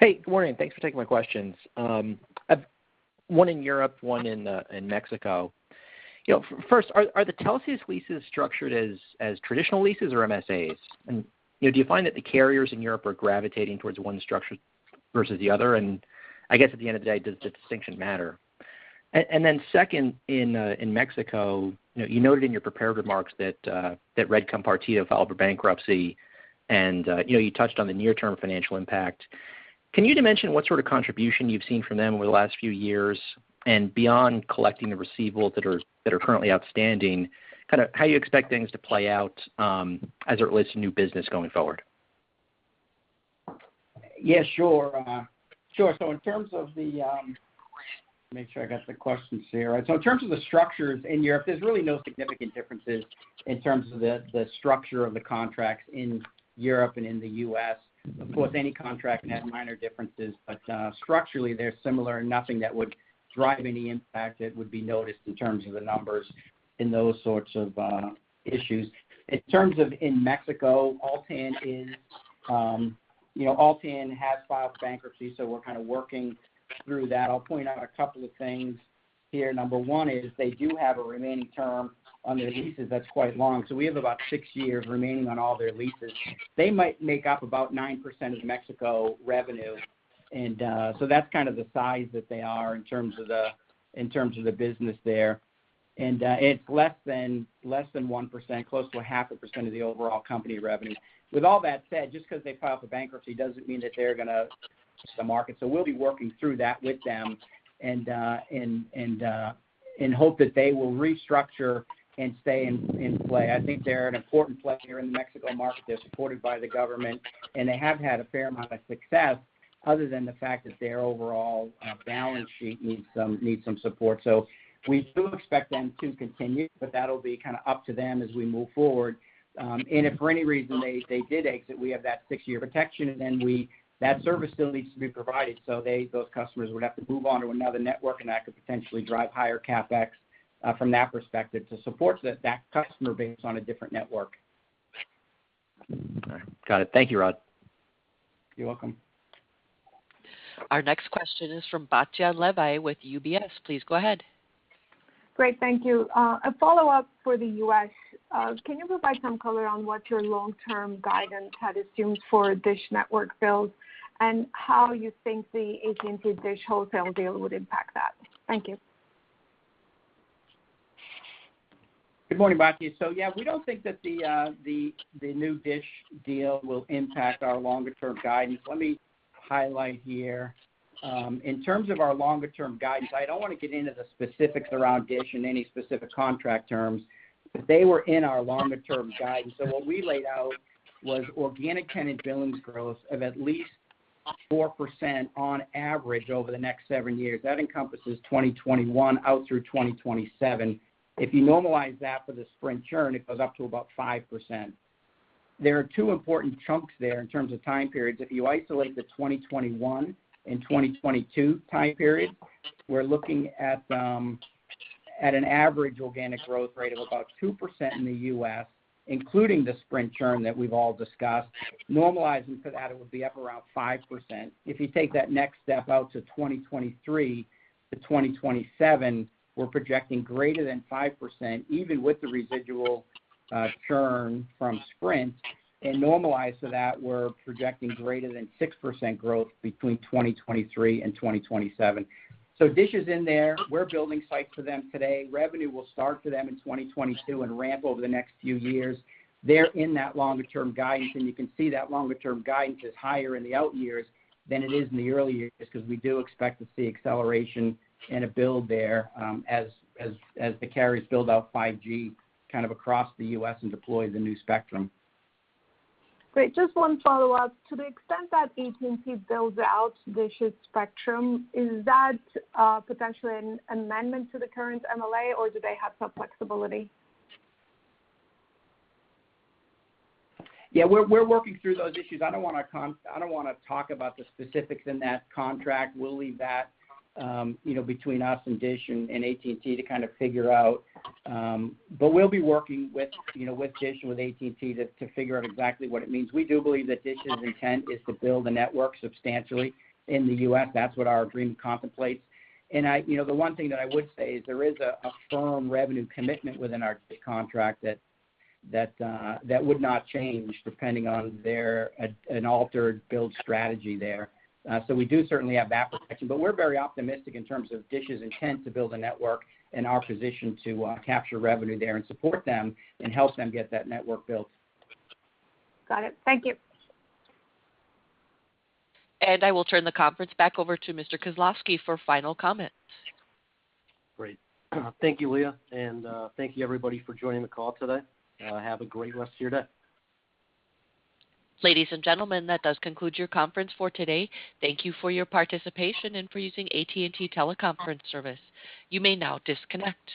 Hey, good morning. Thanks for taking my questions. I have 1 in Europe, 1 in Mexico. First, are the Telxius leases structured as traditional leases or MSAs? Do you find that the carriers in Europe are gravitating towards 1 structure versus the other? I guess at the end of the day, does the distinction matter? Second, in Mexico, you noted in your prepared remarks that Red Compartida filed for bankruptcy, and you touched on the near-term financial impact. Can you dimension what sort of contribution you've seen from them over the last few years, and beyond collecting the receivables that are currently outstanding, how you expect things to play out as it relates to new business going forward? Yeah, sure. Make sure I got the questions here. In terms of the structures in Europe, there is really no significant differences in terms of the structure of the contracts in Europe and in the U.S. Of course, any contract can have minor differences. Structurally, they are similar, and nothing that would drive any impact that would be noticed in terms of the numbers in those sorts of issues. In terms of in Mexico, Altán has filed bankruptcy, so we are kind of working through that. I will point out a couple of things here. Number one is they do have a remaining term under the leases that is quite long. We have about 6 years remaining on all their leases. They might make up about 9% of Mexico revenue, and so that is kind of the size that they are in terms of the business there. It's less than 1%, close to 0.5% of the overall company revenue. With all that said, just because they filed for bankruptcy doesn't mean that they're going to the market. We'll be working through that with them and hope that they will restructure and stay in play. I think they're an important player in the Mexico market. They're supported by the government, and they have had a fair amount of success, other than the fact that their overall balance sheet needs some support. We do expect them to continue, but that'll be up to them as we move forward. If for any reason they did exit, we have that six-year protection, and then that service still needs to be provided. Those customers would have to move on to another network, and that could potentially drive higher CapEx from that perspective to support that customer base on a different network. All right. Got it. Thank you, Rodney. You're welcome. Our next question is from Batya Levi with UBS. Please go ahead. Great. Thank you. A follow-up for the U.S. Can you provide some color on what your long-term guidance had assumed for Dish Network builds and how you think the AT&T Dish wholesale deal would impact that? Thank you. Good morning, Batya. Yeah, we don't think that the new Dish deal will impact our longer-term guidance. Let me highlight here. In terms of our longer-term guidance, I don't want to get into the specifics around Dish and any specific contract terms. They were in our longer-term guidance. What we laid out was organic tenant billings growth of at least 4% on average over the next 7 years. That encompasses 2021 out through 2027. If you normalize that for the Sprint churn, it goes up to about 5%. There are 2 important chunks there in terms of time periods. If you isolate the 2021 and 2022 time period, we're looking at an average organic growth rate of about 2% in the U.S., including the Sprint churn that we've all discussed. Normalizing for that, it would be up around 5%. If you take that next step out to 2023-2027, we're projecting greater than 5%, even with the residual churn from Sprint. Normalized to that, we're projecting greater than 6% growth between 2023 and 2027. Dish is in there. We're building sites for them today. Revenue will start for them in 2022 and ramp over the next few years. They're in that longer-term guidance, and you can see that longer-term guidance is higher in the out years than it is in the early years because we do expect to see acceleration and a build there as the carriers build out 5G kind of across the U.S. and deploy the new spectrum. Great. Just one follow-up. To the extent that AT&T builds out Dish's spectrum, is that potentially an amendment to the current MLA, or do they have some flexibility? Yeah, we're working through those issues. I don't want to talk about the specifics in that contract. We'll leave that between us and Dish and AT&T to kind of figure out. We'll be working with Dish and with AT&T to figure out exactly what it means. We do believe that Dish's intent is to build a network substantially in the U.S. That's what our agreement contemplates. The one thing that I would say is there is a firm revenue commitment within our contract that would not change depending on an altered build strategy there. We do certainly have that protection. We're very optimistic in terms of Dish's intent to build a network and our position to capture revenue there and support them and help them get that network built. Got it. Thank you. I will turn the conference back over to Mr. Khislavsky for final comments. Great. Thank you, Leah. Thank you, everybody, for joining the call today. Have a great rest of your day. Ladies and gentlemen, that does conclude your conference for today. Thank you for your participation and for using AT&T Teleconference service. You may now disconnect.